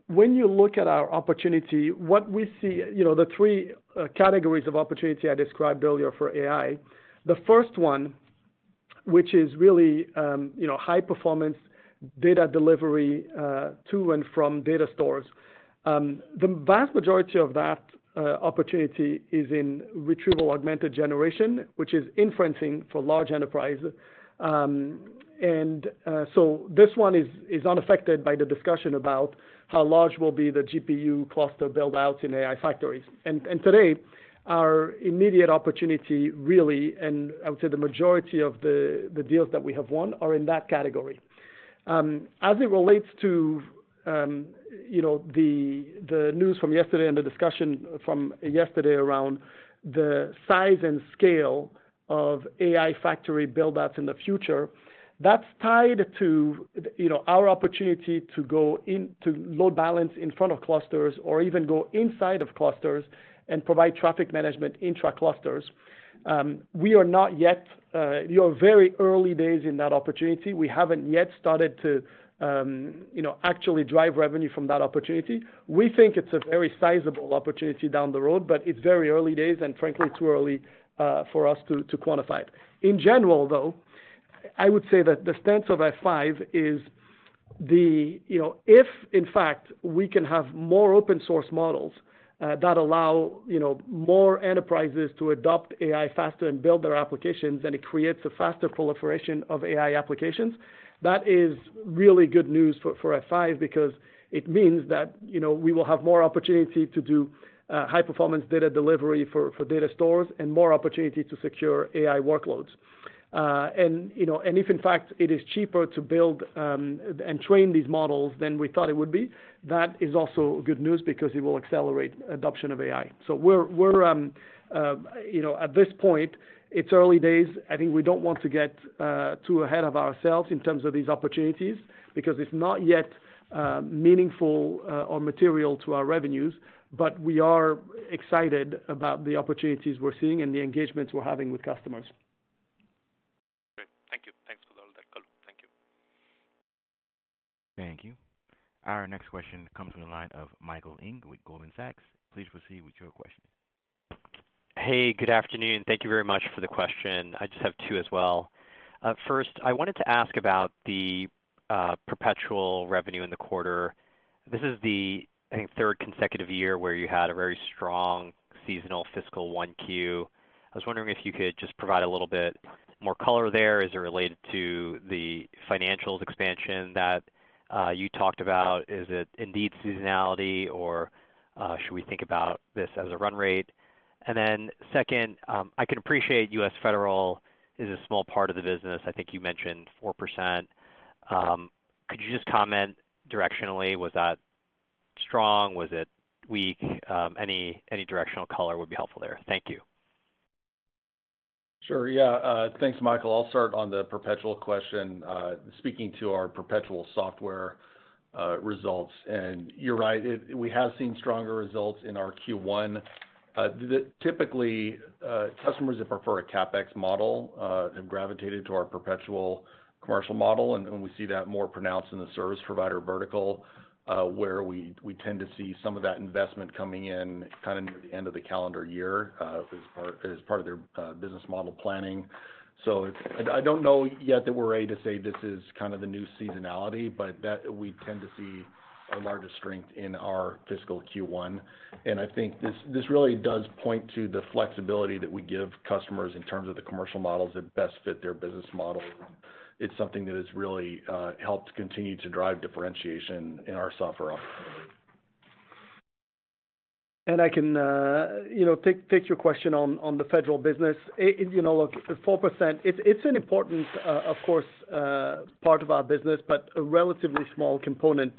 Speaker 3: when you look at our opportunity, what we see, the three categories of opportunity I described earlier for AI, the first one, which is really high-performance data delivery to and from data stores. The vast majority of that opportunity is in retrieval augmented generation, which is inferencing for large enterprises, and so this one is unaffected by the discussion about how large will be the GPU cluster build-out in AI factories, and today, our immediate opportunity really, and I would say the majority of the deals that we have won are in that category. As it relates to the news from yesterday and the discussion from yesterday around the size and scale of AI factory build-outs in the future, that's tied to our opportunity to go into load balance in front of clusters or even go inside of clusters and provide traffic management intra-clusters. We are in very early days in that opportunity. We haven't yet started to actually drive revenue from that opportunity. We think it's a very sizable opportunity down the road, but it's very early days, and frankly, too early for us to quantify it. In general, though, I would say that the stance of F5 is if, in fact, we can have more open-source models that allow more enterprises to adopt AI faster and build their applications, and it creates a faster proliferation of AI applications, that is really good news for F5 because it means that we will have more opportunity to do high-performance data delivery for data stores and more opportunity to secure AI workloads, and if, in fact, it is cheaper to build and train these models than we thought it would be, that is also good news because it will accelerate adoption of AI. So at this point, it's early days. I think we don't want to get too ahead of ourselves in terms of these opportunities because it's not yet meaningful or material to our revenues, but we are excited about the opportunities we're seeing and the engagements we're having with customers.
Speaker 7: Great. Thank you. Thanks for all that. Thank you.
Speaker 1: Thank you. Our next question comes from the line of Michael Ng with Goldman Sachs. Please proceed with your question.
Speaker 8: Hey, good afternoon. Thank you very much for the question. I just have two as well. First, I wanted to ask about the perpetual revenue in the quarter. This is the, I think, third consecutive year where you had a very strong seasonal fiscal Q1. I was wondering if you could just provide a little bit more color there. Is it related to the F5's expansion that you talked about? Is it indeed seasonality, or should we think about this as a run rate? And then second, I can appreciate U.S. Federal is a small part of the business. I think you mentioned 4%. Could you just comment directionally? Was that strong? Was it weak? Any directional color would be helpful there. Thank you.
Speaker 4: Sure. Yeah. Thanks, Michael. I'll start on the perpetual question, speaking to our perpetual software results. And you're right. We have seen stronger results in our Q1. Typically, customers that prefer a CapEx model have gravitated to our perpetual commercial model, and we see that more pronounced in the service provider vertical, where we tend to see some of that investment coming in kind of near the end of the calendar year as part of their business model planning. I don't know yet that we're ready to say this is kind of the new seasonality, but we tend to see our largest strength in our fiscal Q1. I think this really does point to the flexibility that we give customers in terms of the commercial models that best fit their business models. It's something that has really helped continue to drive differentiation in our software opportunity.
Speaker 3: I can take your question on the federal business. Look, 4%, it's an important, of course, part of our business, but a relatively small component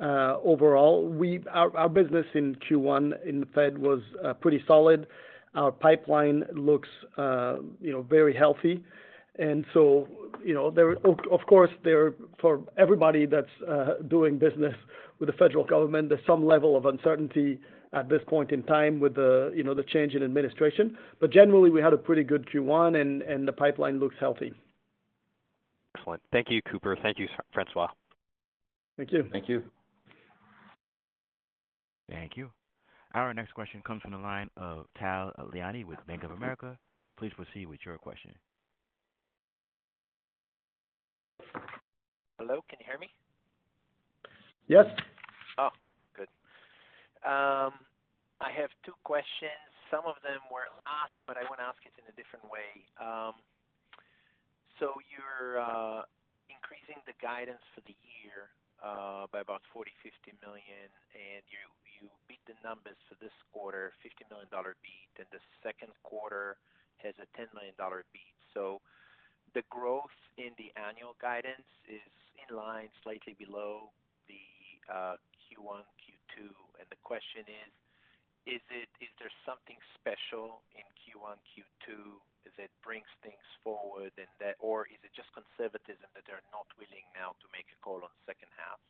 Speaker 3: overall. Our business in Q1 in the Fed was pretty solid. Our pipeline looks very healthy. So, of course, for everybody that's doing business with the federal government, there's some level of uncertainty at this point in time with the change in administration. But generally, we had a pretty good Q1, and the pipeline looks healthy.
Speaker 8: Excellent. Thank you, Cooper. Thank you, François.
Speaker 4: Thank you.
Speaker 3: Thank you.
Speaker 1: Thank you. Our next question comes from the line of Tal Liani with Bank of America. Please proceed with your question.
Speaker 9: Hello. Can you hear me?
Speaker 3: Yes.
Speaker 9: Oh, good. I have two questions. Some of them were asked, but I want to ask it in a different way. So you're increasing the guidance for the year by about $40-$50 million, and you beat the numbers for this quarter, $50 million beat, and the Q2 has a $10 million beat. So the growth in the annual guidance is in line slightly below the Q1, Q2. And the question is, is there something special in Q1, Q2 that brings things forward, or is it just conservatism that they're not willing now to make a call on the second half?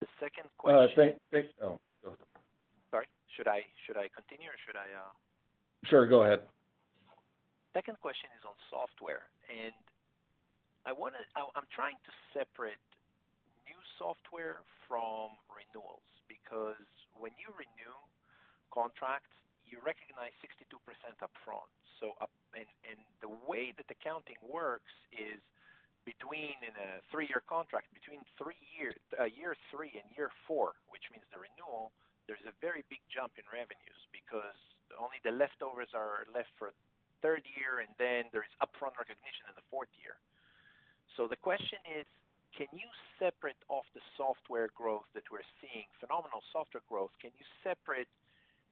Speaker 9: The second question.
Speaker 4: Oh, go ahead.
Speaker 9: Sorry. Should I continue, or should I?
Speaker 4: Sure. Go ahead.
Speaker 9: Second question is on software. And I'm trying to separate new software from renewals because when you renew contracts, you recognize 62% upfront. And the way that the accounting works is between a three-year contract, between year three and year four, which means the renewal, there's a very big jump in revenues because only the leftovers are left for a third year, and then there is upfront recognition in the fourth year. So the question is, can you separate off the software growth that we're seeing, phenomenal software growth, can you separate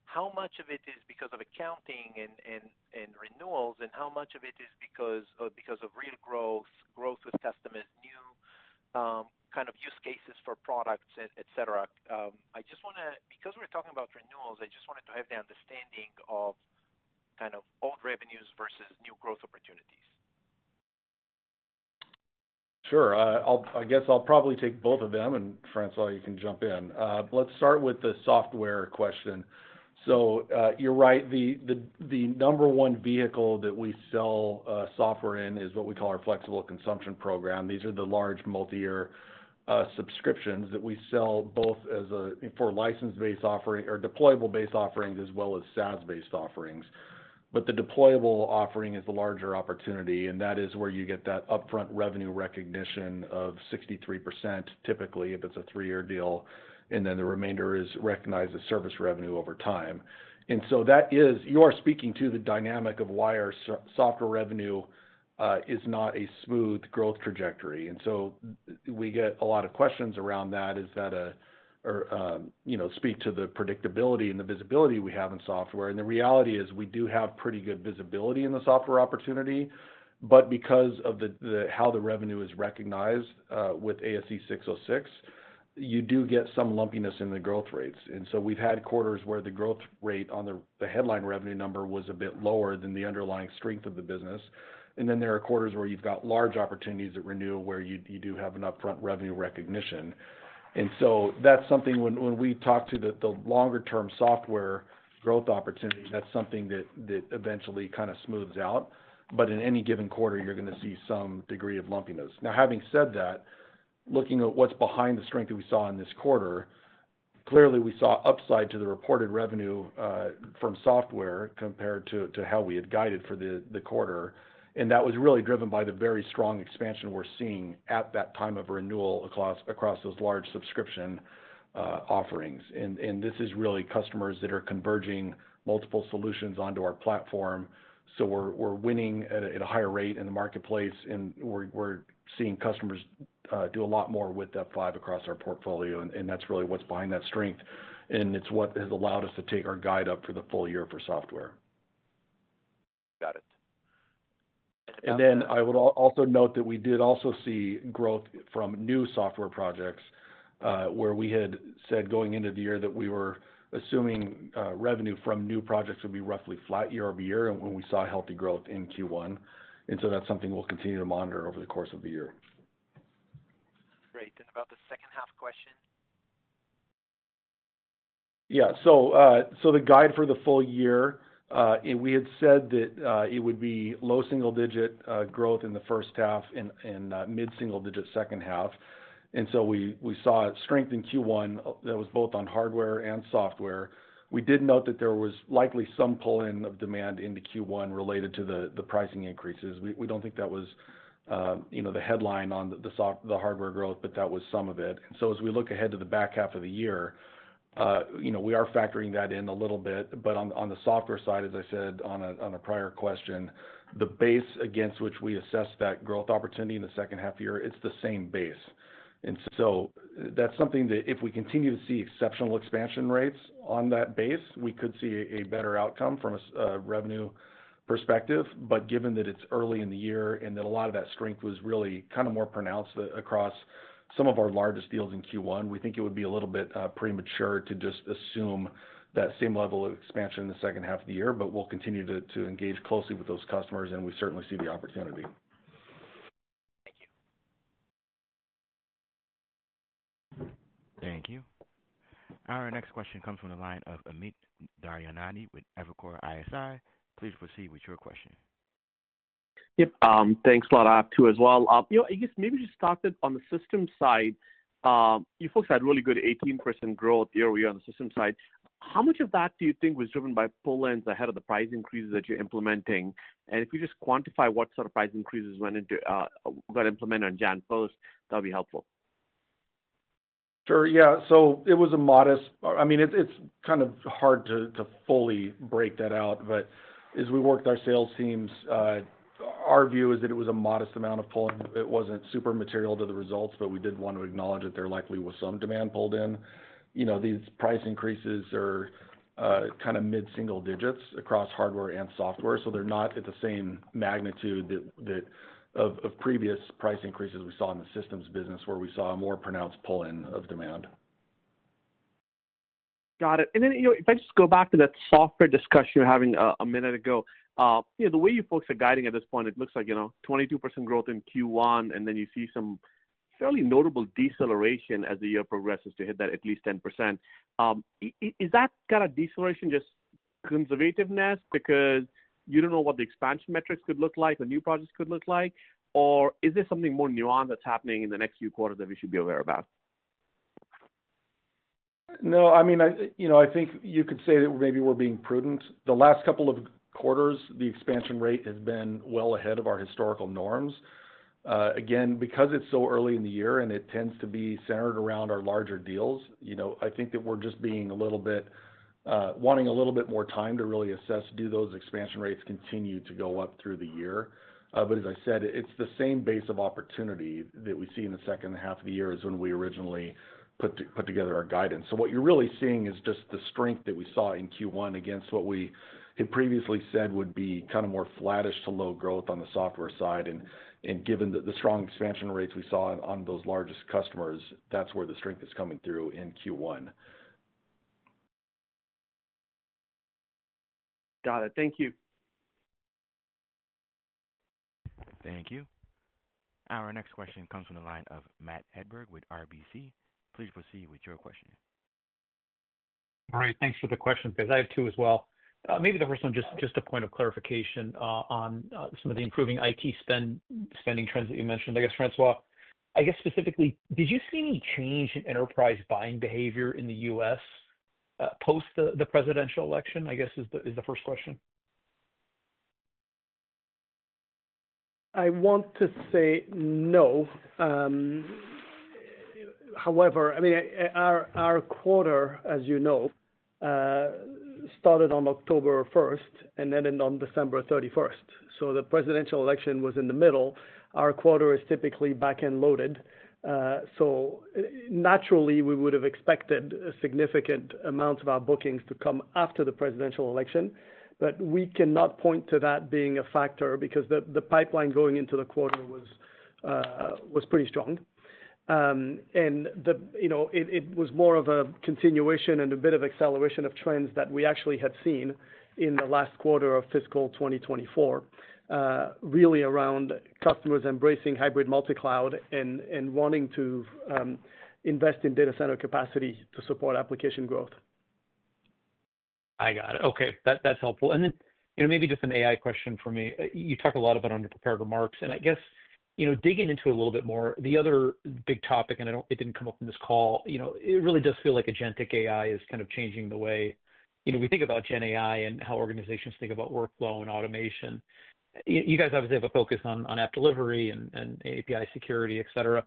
Speaker 9: how much of it is because of accounting and renewals, and how much of it is because of real growth, growth with customers, new kind of use cases for products, etc.? I just want to, because we're talking about renewals, I just wanted to have the understanding of kind of old revenues versus new growth opportunities.
Speaker 4: Sure. I guess I'll probably take both of them, and François, you can jump in. Let's start with the software question. So you're right. The number one vehicle that we sell software in is what we call our Flexible Consumption Program. These are the large multi-year subscriptions that we sell both for license-based offering or deployable-based offerings as well as SaaS-based offerings. But the deployable offering is the larger opportunity, and that is where you get that upfront revenue recognition of 63%, typically, if it's a three-year deal, and then the remainder is recognized as service revenue over time. And so you are speaking to the dynamic of why our software revenue is not a smooth growth trajectory. And so we get a lot of questions around that. Does that speak to the predictability and the visibility we have in software? And the reality is we do have pretty good visibility in the software opportunity, but because of how the revenue is recognized with ASC 606, you do get some lumpiness in the growth rates. And so we've had quarters where the growth rate on the headline revenue number was a bit lower than the underlying strength of the business. And then there are quarters where you've got large opportunities that renew where you do have an upfront revenue recognition. And so that's something when we talk to the longer-term software growth opportunity, that's something that eventually kind of smooths out. But in any given quarter, you're going to see some degree of lumpiness. Now, having said that, looking at what's behind the strength that we saw in this quarter, clearly, we saw upside to the reported revenue from software compared to how we had guided for the quarter. And that was really driven by the very strong expansion we're seeing at that time of renewal across those large subscription offerings. And this is really customers that are converging multiple solutions onto our platform. So we're winning at a higher rate in the marketplace, and we're seeing customers do a lot more with F5 across our portfolio. And that's really what's behind that strength. And it's what has allowed us to take our guide up for the full year for software.
Speaker 9: Got it.
Speaker 4: And then I would also note that we did also see growth from new software projects where we had said going into the year that we were assuming revenue from new projects would be roughly flat year-over-year when we saw healthy growth in Q1. And so that's something we'll continue to monitor over the course of the year.
Speaker 9: Great. And about the second-half question.
Speaker 4: Yeah. So the guide for the full year, we had said that it would be low single-digit growth in the first half and mid-single-digit second half. And so we saw strength in Q1 that was both on hardware and software. We did note that there was likely some pull-in of demand into Q1 related to the pricing increases. We don't think that was the headline on the hardware growth, but that was some of it. And so as we look ahead to the back half of the year, we are factoring that in a little bit. But on the software side, as I said on a prior question, the base against which we assess that growth opportunity in the second half year, it's the same base. And so that's something that if we continue to see exceptional expansion rates on that base, we could see a better outcome from a revenue perspective. But given that it's early in the year and that a lot of that strength was really kind of more pronounced across some of our largest deals in Q1, we think it would be a little bit premature to just assume that same level of expansion in the second half of the year. But we'll continue to engage closely with those customers, and we certainly see the opportunity.
Speaker 9: Thank you.
Speaker 1: Thank you. Our next question comes from the line of Amit Daryanani with Evercore ISI. Please proceed with your question.
Speaker 10: Yep. Thanks a lot, too, as well. I guess maybe just start on the system side. You folks had really good 18% growth year-over-year on the system side. How much of that do you think was driven by pull-ins ahead of the price increases that you're implementing? And if you just quantify what sort of price increases got implemented on January 1st, that'll be helpful.
Speaker 4: Sure. Yeah. So it was a modest, I mean, it's kind of hard to fully break that out, but as we work with our sales teams, our view is that it was a modest amount of pull-in. It wasn't super material to the results, but we did want to acknowledge that there likely was some demand pulled in. These price increases are kind of mid-single digits across hardware and software, so they're not at the same magnitude of previous price increases we saw in the systems business where we saw a more pronounced pull-in of demand.
Speaker 10: Got it. And then if I just go back to that software discussion we were having a minute ago, the way you folks are guiding at this point, it looks like 22% growth in Q1, and then you see some fairly notable deceleration as the year progresses to hit that at least 10%. Is that kind of deceleration just conservativeness because you don't know what the expansion metrics could look like, the new projects could look like, or is there something more nuanced that's happening in the next few quarters that we should be aware about?
Speaker 4: No. I mean, I think you could say that maybe we're being prudent. The last couple of quarters, the expansion rate has been well ahead of our historical norms. Again, because it's so early in the year and it tends to be centered around our larger deals, I think that we're just being a little bit wanting a little bit more time to really assess, do those expansion rates continue to go up through the year. But as I said, it's the same base of opportunity that we see in the second half of the year is when we originally put together our guidance. So what you're really seeing is just the strength that we saw in Q1 against what we had previously said would be kind of more flattish to low growth on the software side. And given the strong expansion rates we saw on those largest customers, that's where the strength is coming through in Q1.
Speaker 10: Got it. Thank you.
Speaker 1: Thank you. Our next question comes from the line of Matt Hedberg with RBC. Please proceed with your question.
Speaker 11: All right. Thanks for the question because I have two as well. Maybe the first one, just a point of clarification on some of the improving IT spending trends that you mentioned. I guess, François, I guess specifically, did you see any change in enterprise buying behavior in the U.S. post the presidential election, I guess, is the first question?
Speaker 3: I want to say no. However, I mean, our quarter, as you know, started on October 1st and ended on December 31st. So the presidential election was in the middle. Our quarter is typically back-end loaded. So naturally, we would have expected significant amounts of our bookings to come after the presidential election. But we cannot point to that being a factor because the pipeline going into the quarter was pretty strong. And it was more of a continuation and a bit of acceleration of trends that we actually had seen in the last quarter of FY2024, really around customers embracing hybrid multicloud and wanting to invest in data center capacity to support application growth.
Speaker 11: I got it. Okay. That's helpful. And then maybe just an AI question for me. You talked a lot about our prepared remarks. I guess digging into a little bit more, the other big topic, and it didn't come up in this call. It really does feel like agentic AI is kind of changing the way we think about GenAI and how organizations think about workflow and automation. You guys obviously have a focus on app delivery and API security, etc.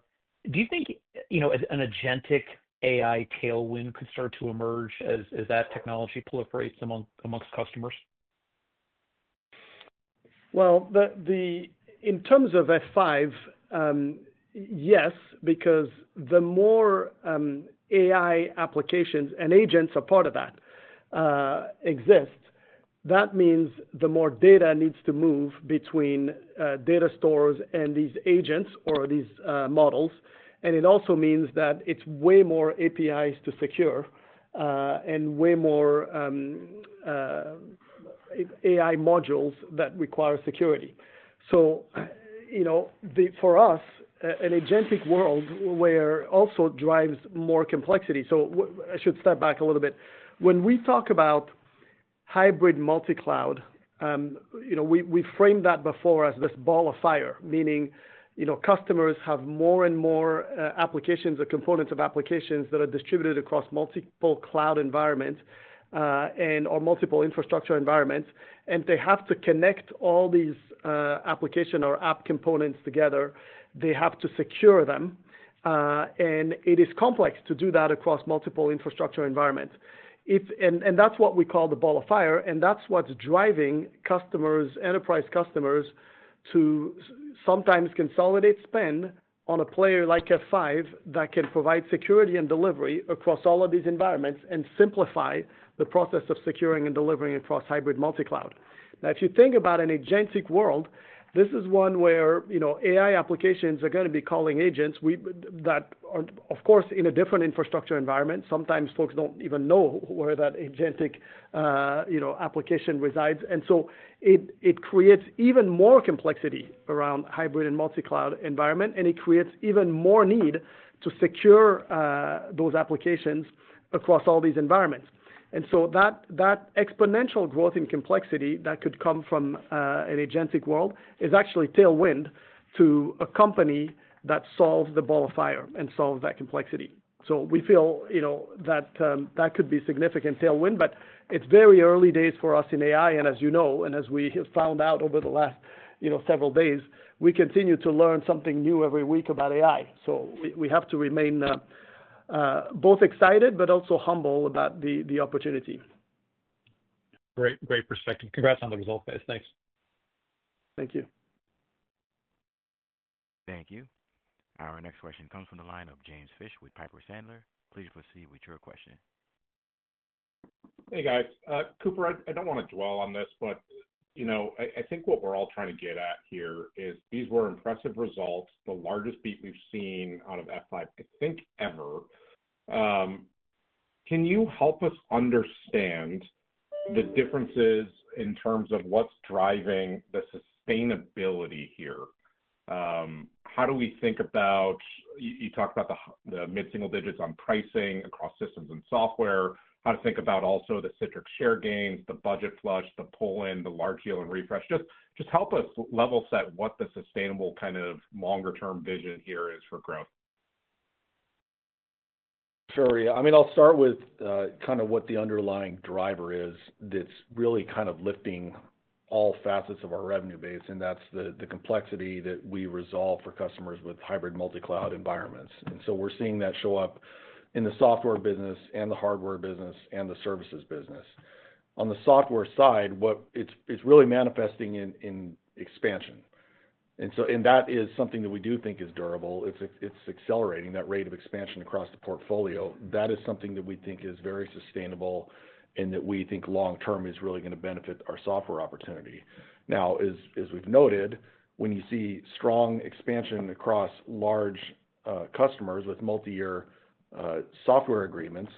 Speaker 11: Do you think an agentic AI tailwind could start to emerge as that technology proliferates among customers?
Speaker 3: In terms of F5, yes, because the more AI applications and agents a part of that exist, that means the more data needs to move between data stores and these agents or these models. And it also means that it's way more APIs to secure and way more AI modules that require security. For us, an agentic world also drives more complexity. I should step back a little bit. When we talk about hybrid multi-cloud, we framed that before as this ball of fire, meaning customers have more and more applications or components of applications that are distributed across multiple cloud environments and/or multiple infrastructure environments, and they have to connect all these application or app components together. They have to secure them, and it is complex to do that across multiple infrastructure environments, and that's what we call the ball of fire, and that's what's driving enterprise customers to sometimes consolidate spend on a player like F5 that can provide security and delivery across all of these environments and simplify the process of securing and delivering across hybrid multi-cloud. Now, if you think about an agentic world, this is one where AI applications are going to be calling agents that are, of course, in a different infrastructure environment. Sometimes folks don't even know where that agentic application resides. And so it creates even more complexity around hybrid and multicloud environment, and it creates even more need to secure those applications across all these environments. And so that exponential growth in complexity that could come from an agentic world is actually tailwind to a company that solves the ball of fire and solves that complexity. So we feel that that could be a significant tailwind, but it's very early days for us in AI. And as you know, and as we have found out over the last several days, we continue to learn something new every week about AI. So we have to remain both excited but also humble about the opportunity.
Speaker 11: Great perspective. Congrats on the result, guys. Thanks.
Speaker 3: Thank you.
Speaker 1: Thank you. Our next question comes from the line of James Fish with Piper Sandler. Please proceed with your question.
Speaker 12: Hey, guys. Cooper, I don't want to dwell on this, but I think what we're all trying to get at here is these were impressive results, the largest beat we've seen out of F5, I think, ever. Can you help us understand the differences in terms of what's driving the sustainability here? How do we think about you talked about the mid-single digits on pricing across systems and software. How to think about also the Citrix share gains, the budget flush, the pull-in, the large deal and refresh. Just help us level set what the sustainable kind of longer-term vision here is for growth.
Speaker 4: Sure. Yeah. I mean, I'll start with kind of what the underlying driver is that's really kind of lifting all facets of our revenue base, and that's the complexity that we resolve for customers with hybrid multi-cloud environments. And so we're seeing that show up in the software business and the hardware business and the services business. On the software side, it's really manifesting in expansion. And that is something that we do think is durable. It's accelerating that rate of expansion across the portfolio. That is something that we think is very sustainable and that we think long-term is really going to benefit our software opportunity. Now, as we've noted, when you see strong expansion across large customers with multi-year software agreements,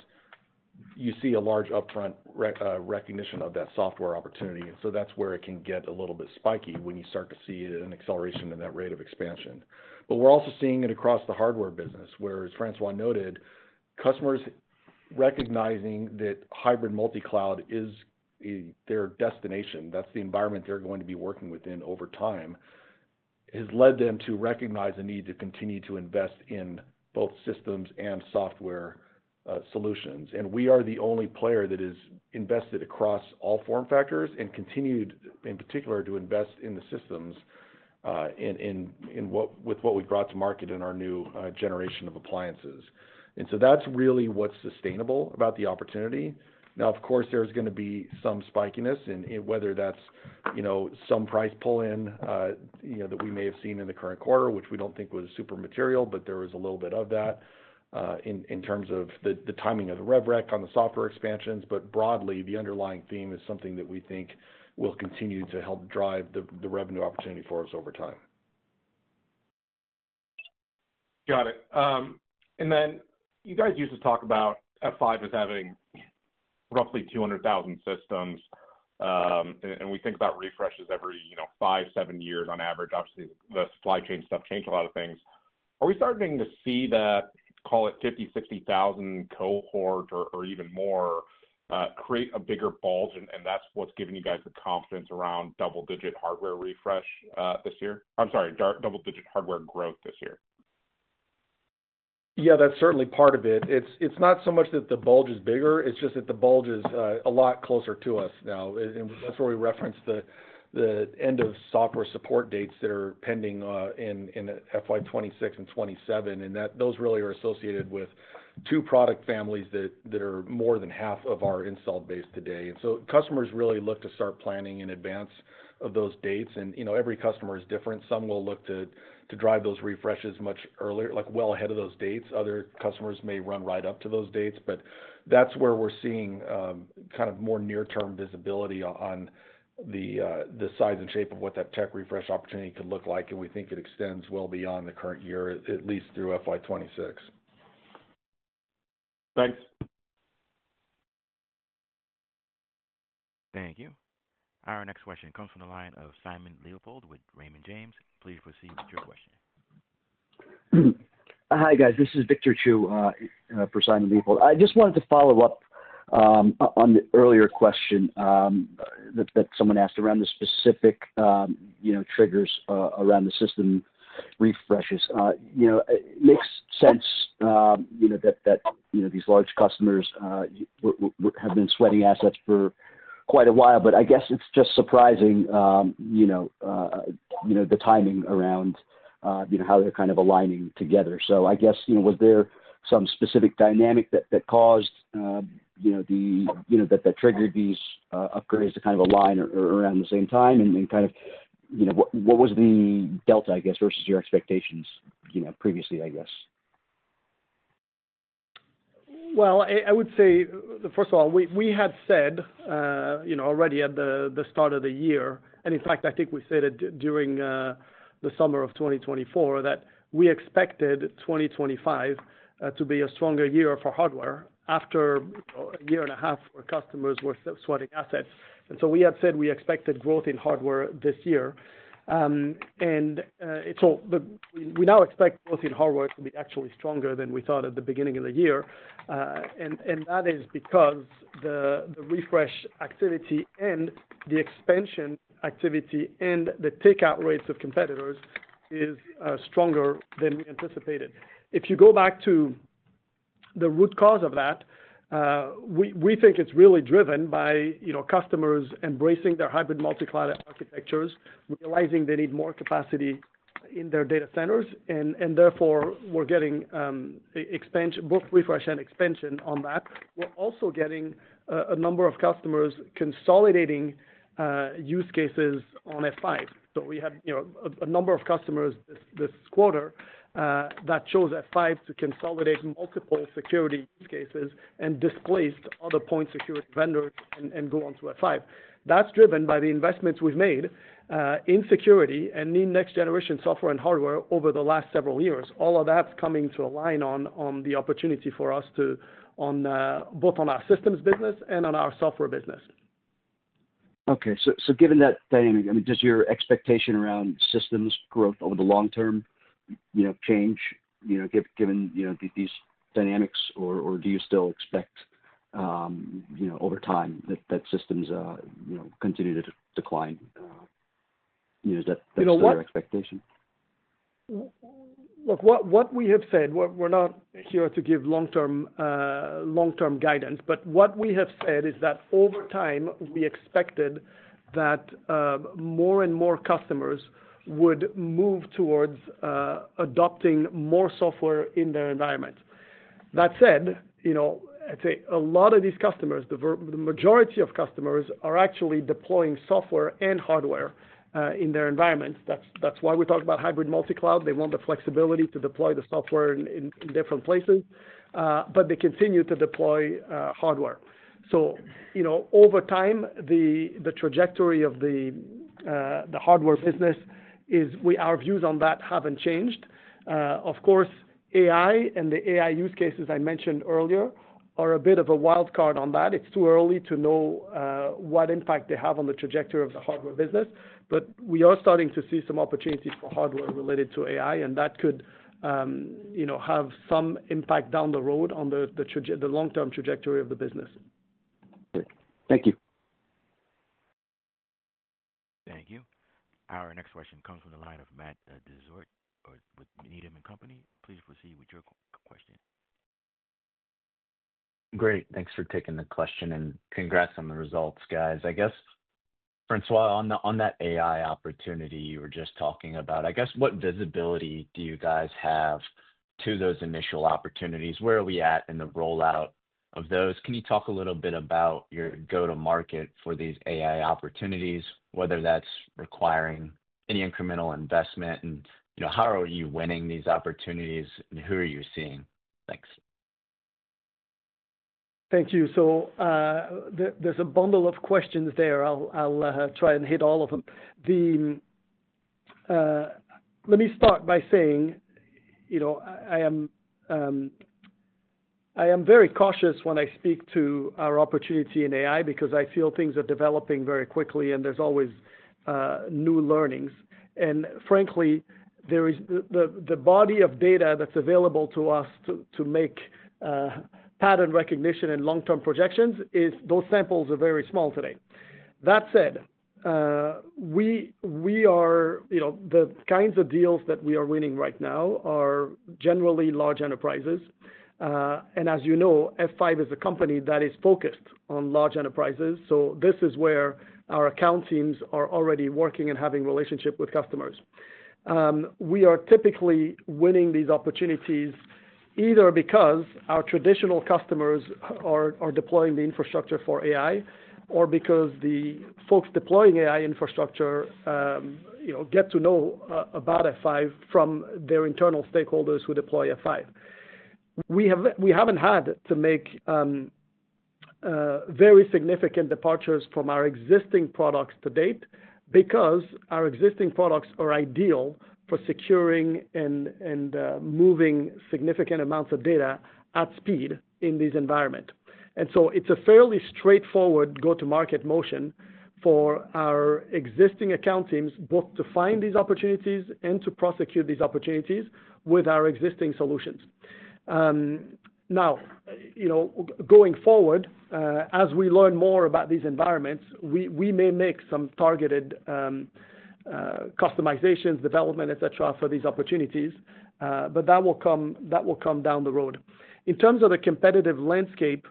Speaker 4: you see a large upfront recognition of that software opportunity. And so that's where it can get a little bit spiky when you start to see an acceleration in that rate of expansion. But we're also seeing it across the hardware business, as François noted, customers recognizing that hybrid multicloud is their destination, that's the environment they're going to be working within over time, has led them to recognize the need to continue to invest in both systems and software solutions. And we are the only player that has invested across all form factors and continued, in particular, to invest in the systems with what we brought to market in our new generation of appliances. And so that's really what's sustainable about the opportunity. Now, of course, there's going to be some spikiness, whether that's some price pull-in that we may have seen in the current quarter, which we don't think was super material, but there was a little bit of that in terms of the timing of the RevRec on the software expansions. But broadly, the underlying theme is something that we think will continue to help drive the revenue opportunity for us over time.
Speaker 12: Got it. And then you guys used to talk about F5 as having roughly 200,000 systems, and we think about refreshes every five-seven years on average. Obviously, the supply chain stuff changed a lot of things. Are we starting to see that, call it 50-60 thousand cohort or even more, create a bigger bulge? And that's what's giving you guys the confidence around double-digit hardware refresh this year? I'm sorry, double-digit hardware growth this year.
Speaker 4: Yeah, that's certainly part of it. It's not so much that the bulge is bigger. It's just that the bulge is a lot closer to us now. And that's where we reference the end of software support dates that are pending in FY2026 and 2027. Those really are associated with two product families that are more than half of our installed base today. Customers really look to start planning in advance of those dates. Every customer is different. Some will look to drive those refreshes much earlier, like well ahead of those dates. Other customers may run right up to those dates. That's where we're seeing kind of more near-term visibility on the size and shape of what that tech refresh opportunity could look like. We think it extends well beyond the current year, at least through FY2026.
Speaker 12: Thanks.
Speaker 1: Thank you. Our next question comes from the line of Simon Leopold with Raymond James. Please proceed with your question.
Speaker 3: Hi, guys. This is Victor Chiu for Simon Leopold. I just wanted to follow up on the earlier question that someone asked around the specific triggers around the system refreshes. It makes sense that these large customers have been sweating assets for quite a while, but I guess it's just surprising the timing around how they're kind of aligning together. So I guess, was there some specific dynamic that caused that triggered these upgrades to kind of align around the same time? And kind of what was the delta, I guess, versus your expectations previously, I guess? Well, I would say, first of all, we had said already at the start of the year, and in fact, I think we said it during the summer of 2024, that we expected 2025 to be a stronger year for hardware after a year and a half where customers were sweating assets. And so we had said we expected growth in hardware this year. And so we now expect growth in hardware to be actually stronger than we thought at the beginning of the year. And that is because the refresh activity and the expansion activity and the takeout rates of competitors is stronger than we anticipated. If you go back to the root cause of that, we think it's really driven by customers embracing their hybrid multicloud architectures, realizing they need more capacity in their data centers. And therefore, we're getting both refresh and expansion on that. We're also getting a number of customers consolidating use cases on F5. So we had a number of customers this quarter that chose F5 to consolidate multiple security use cases and displaced other point security vendors and go on to F5. That's driven by the investments we've made in security and in next-generation software and hardware over the last several years. All of that's coming to align on the opportunity for us to on both our systems business and on our software business.
Speaker 13: Okay. So given that dynamic, I mean, does your expectation around systems growth over the long term change, given these dynamics, or do you still expect over time that systems continue to decline? Is that your expectation?
Speaker 3: Look, what we have said, we're not here to give long-term guidance, but what we have said is that over time, we expected that more and more customers would move towards adopting more software in their environment. That said, I'd say a lot of these customers, the majority of customers, are actually deploying software and hardware in their environments. That's why we talk about hybrid multi-cloud. They want the flexibility to deploy the software in different places, but they continue to deploy hardware. So, over time, the trajectory of the hardware business is. Our views on that haven't changed. Of course, AI and the AI use cases I mentioned earlier are a bit of a wild card on that. It's too early to know what impact they have on the trajectory of the hardware business. But we are starting to see some opportunities for hardware related to AI, and that could have some impact down the road on the long-term trajectory of the business.
Speaker 13: Thank you.
Speaker 1: Thank you. Our next question comes from the line of Matt DeZort with Needham & Company. Please proceed with your question.
Speaker 14: Great. Thanks for taking the question. And congrats on the results, guys. I guess, François, on that AI opportunity you were just talking about, I guess, what visibility do you guys have to those initial opportunities? Where are we at in the rollout of those? Can you talk a little bit about your go-to-market for these AI opportunities, whether that's requiring any incremental investment, and how are you winning these opportunities, and who are you seeing? Thanks.
Speaker 3: Thank you. So there's a bundle of questions there. I'll try and hit all of them. Let me start by saying I am very cautious when I speak to our opportunity in AI because I feel things are developing very quickly, and there's always new learnings. And frankly, the body of data that's available to us to make pattern recognition and long-term projections is those samples are very small today. That said, the kinds of deals that we are winning right now are generally large enterprises. And as you know, F5 is a company that is focused on large enterprises. So this is where our account teams are already working and having relationships with customers. We are typically winning these opportunities either because our traditional customers are deploying the infrastructure for AI or because the folks deploying AI infrastructure get to know about F5 from their internal stakeholders who deploy F5. We haven't had to make very significant departures from our existing products to date because our existing products are ideal for securing and moving significant amounts of data at speed in these environments. And so it's a fairly straightforward go-to-market motion for our existing account teams both to find these opportunities and to prosecute these opportunities with our existing solutions. Now, going forward, as we learn more about these environments, we may make some targeted customizations, development, etc., for these opportunities, but that will come down the road. In terms of the competitive landscape,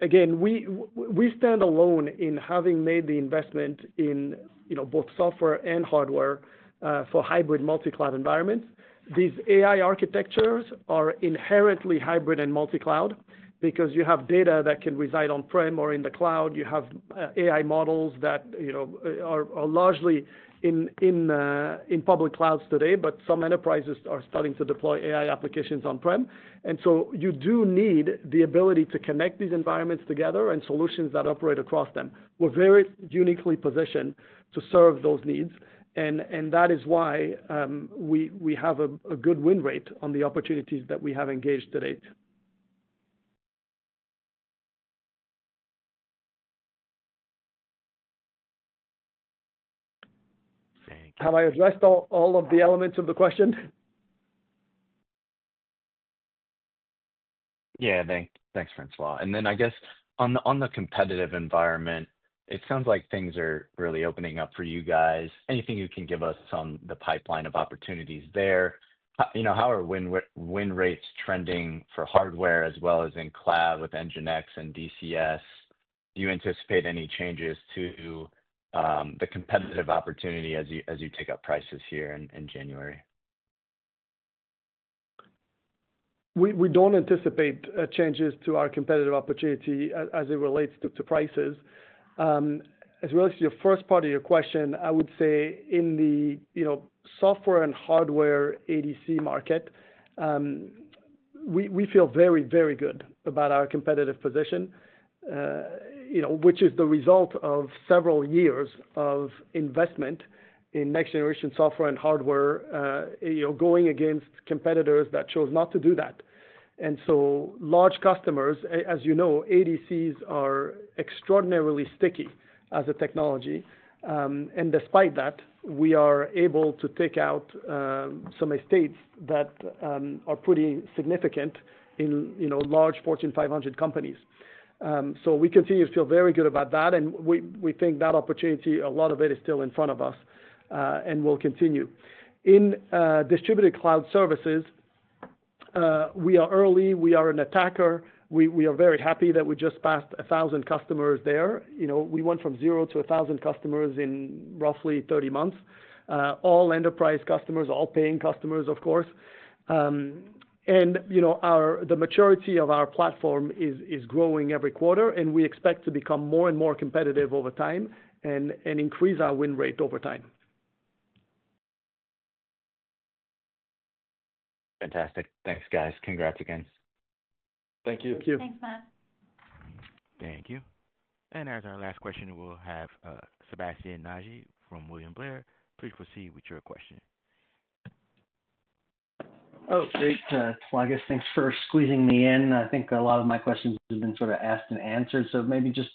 Speaker 3: again, we stand alone in having made the investment in both software and hardware for hybrid multicloud environments. These AI architectures are inherently hybrid and multicloud because you have data that can reside on-prem or in the cloud. You have AI models that are largely in public clouds today, but some enterprises are starting to deploy AI applications on-prem. And so you do need the ability to connect these environments together and solutions that operate across them. We're very uniquely positioned to serve those needs. And that is why we have a good win rate on the opportunities that we have engaged to date. Thank you. Have I addressed all of the elements of the question?
Speaker 14: Yeah. Thanks, François. And then I guess on the competitive environment, it sounds like things are really opening up for you guys. Anything you can give us on the pipeline of opportunities there? How are win rates trending for hardware as well as in cloud with NGINX and DCS? Do you anticipate any changes to the competitive opportunity as you take up prices here in January?
Speaker 3: We don't anticipate changes to our competitive opportunity as it relates to prices. As relates to your first part of your question, I would say in the software and hardware ADC market, we feel very, very good about our competitive position, which is the result of several years of investment in next-generation software and hardware going against competitors that chose not to do that. So large customers, as you know, ADCs are extraordinarily sticky as a technology. And despite that, we are able to take out some estates that are pretty significant in large Fortune 500 companies. So we continue to feel very good about that. And we think that opportunity, a lot of it is still in front of us and will continue. In Distributed Cloud Services, we are early. We are an attacker. We are very happy that we just passed 1,000 customers there. We went from 0 to 1,000 customers in roughly 30 months. All enterprise customers, all paying customers, of course. And the maturity of our platform is growing every quarter, and we expect to become more and more competitive over time and increase our win rate over time.
Speaker 14: Fantastic. Thanks, guys. Congrats again.
Speaker 3: Thank you.
Speaker 2: Thanks, Matt.
Speaker 1: Thank you. And as our last question, we'll have Sébastien Naji from William Blair. Please proceed with your question.
Speaker 15: Oh, great. Well, I guess thanks for squeezing me in. I think a lot of my questions have been sort of asked and answered. So maybe just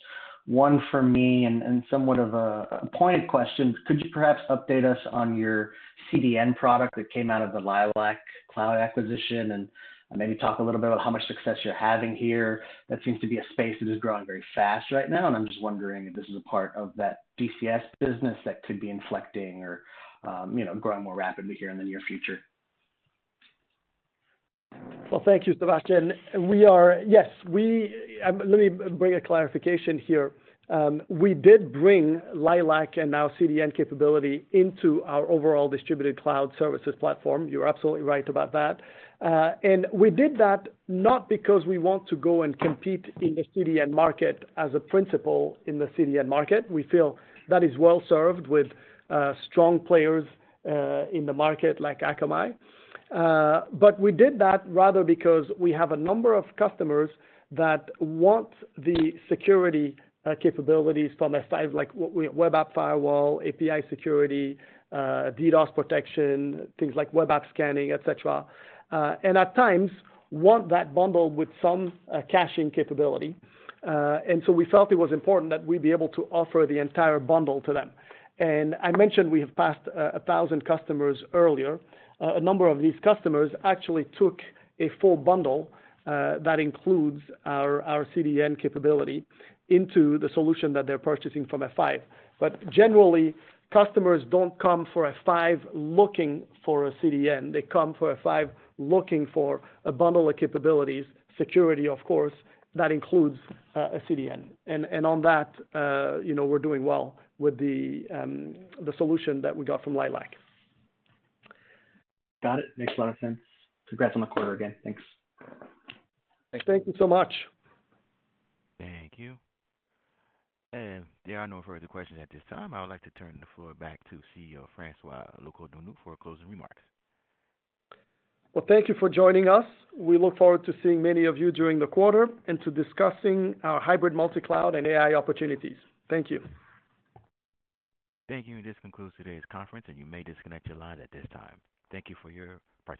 Speaker 15: one for me and somewhat of a pointed question. Could you perhaps update us on your CDN product that came out of the Lilac Cloud acquisition and maybe talk a little bit about how much success you're having here? That seems to be a space that is growing very fast right now. And I'm just wondering if this is a part of that DCS business that could be inflecting or growing more rapidly here in the near future.
Speaker 3: Well, thank you, Sébastien. Yes, let me bring a clarification here. We did bring Lilac and now CDN capability into our overall Distributed Cloud Services platform. You're absolutely right about that. And we did that not because we want to go and compete in the CDN market as a principal in the CDN market. We feel that is well served with strong players in the market like Akamai. But we did that rather because we have a number of customers that want the security capabilities from F5, like web app firewall, API security, DDoS protection, things like web app scanning, etc., and at times want that bundled with some caching capability. And so we felt it was important that we be able to offer the entire bundle to them. And I mentioned we have passed 1,000 customers earlier. A number of these customers actually took a full bundle that includes our CDN capability into the solution that they're purchasing from F5. But generally, customers don't come for F5 looking for a CDN. They come for F5 looking for a bundle of capabilities, security, of course, that includes a CDN. And on that, we're doing well with the solution that we got from Lilac.
Speaker 15: Got it. Makes a lot of sense. Congrats on the quarter again. Thanks.
Speaker 3: Thank you so much.
Speaker 1: Thank you. And there are no further questions at this time. I would like to turn the floor back to CEO François Locoh-Donou for closing remarks.
Speaker 3: Well, thank you for joining us. We look forward to seeing many of you during the quarter and to discussing our hybrid multicloud and AI opportunities. Thank you. Thank you. This concludes today's conference, and you may disconnect your line at this time. Thank you for your presentation.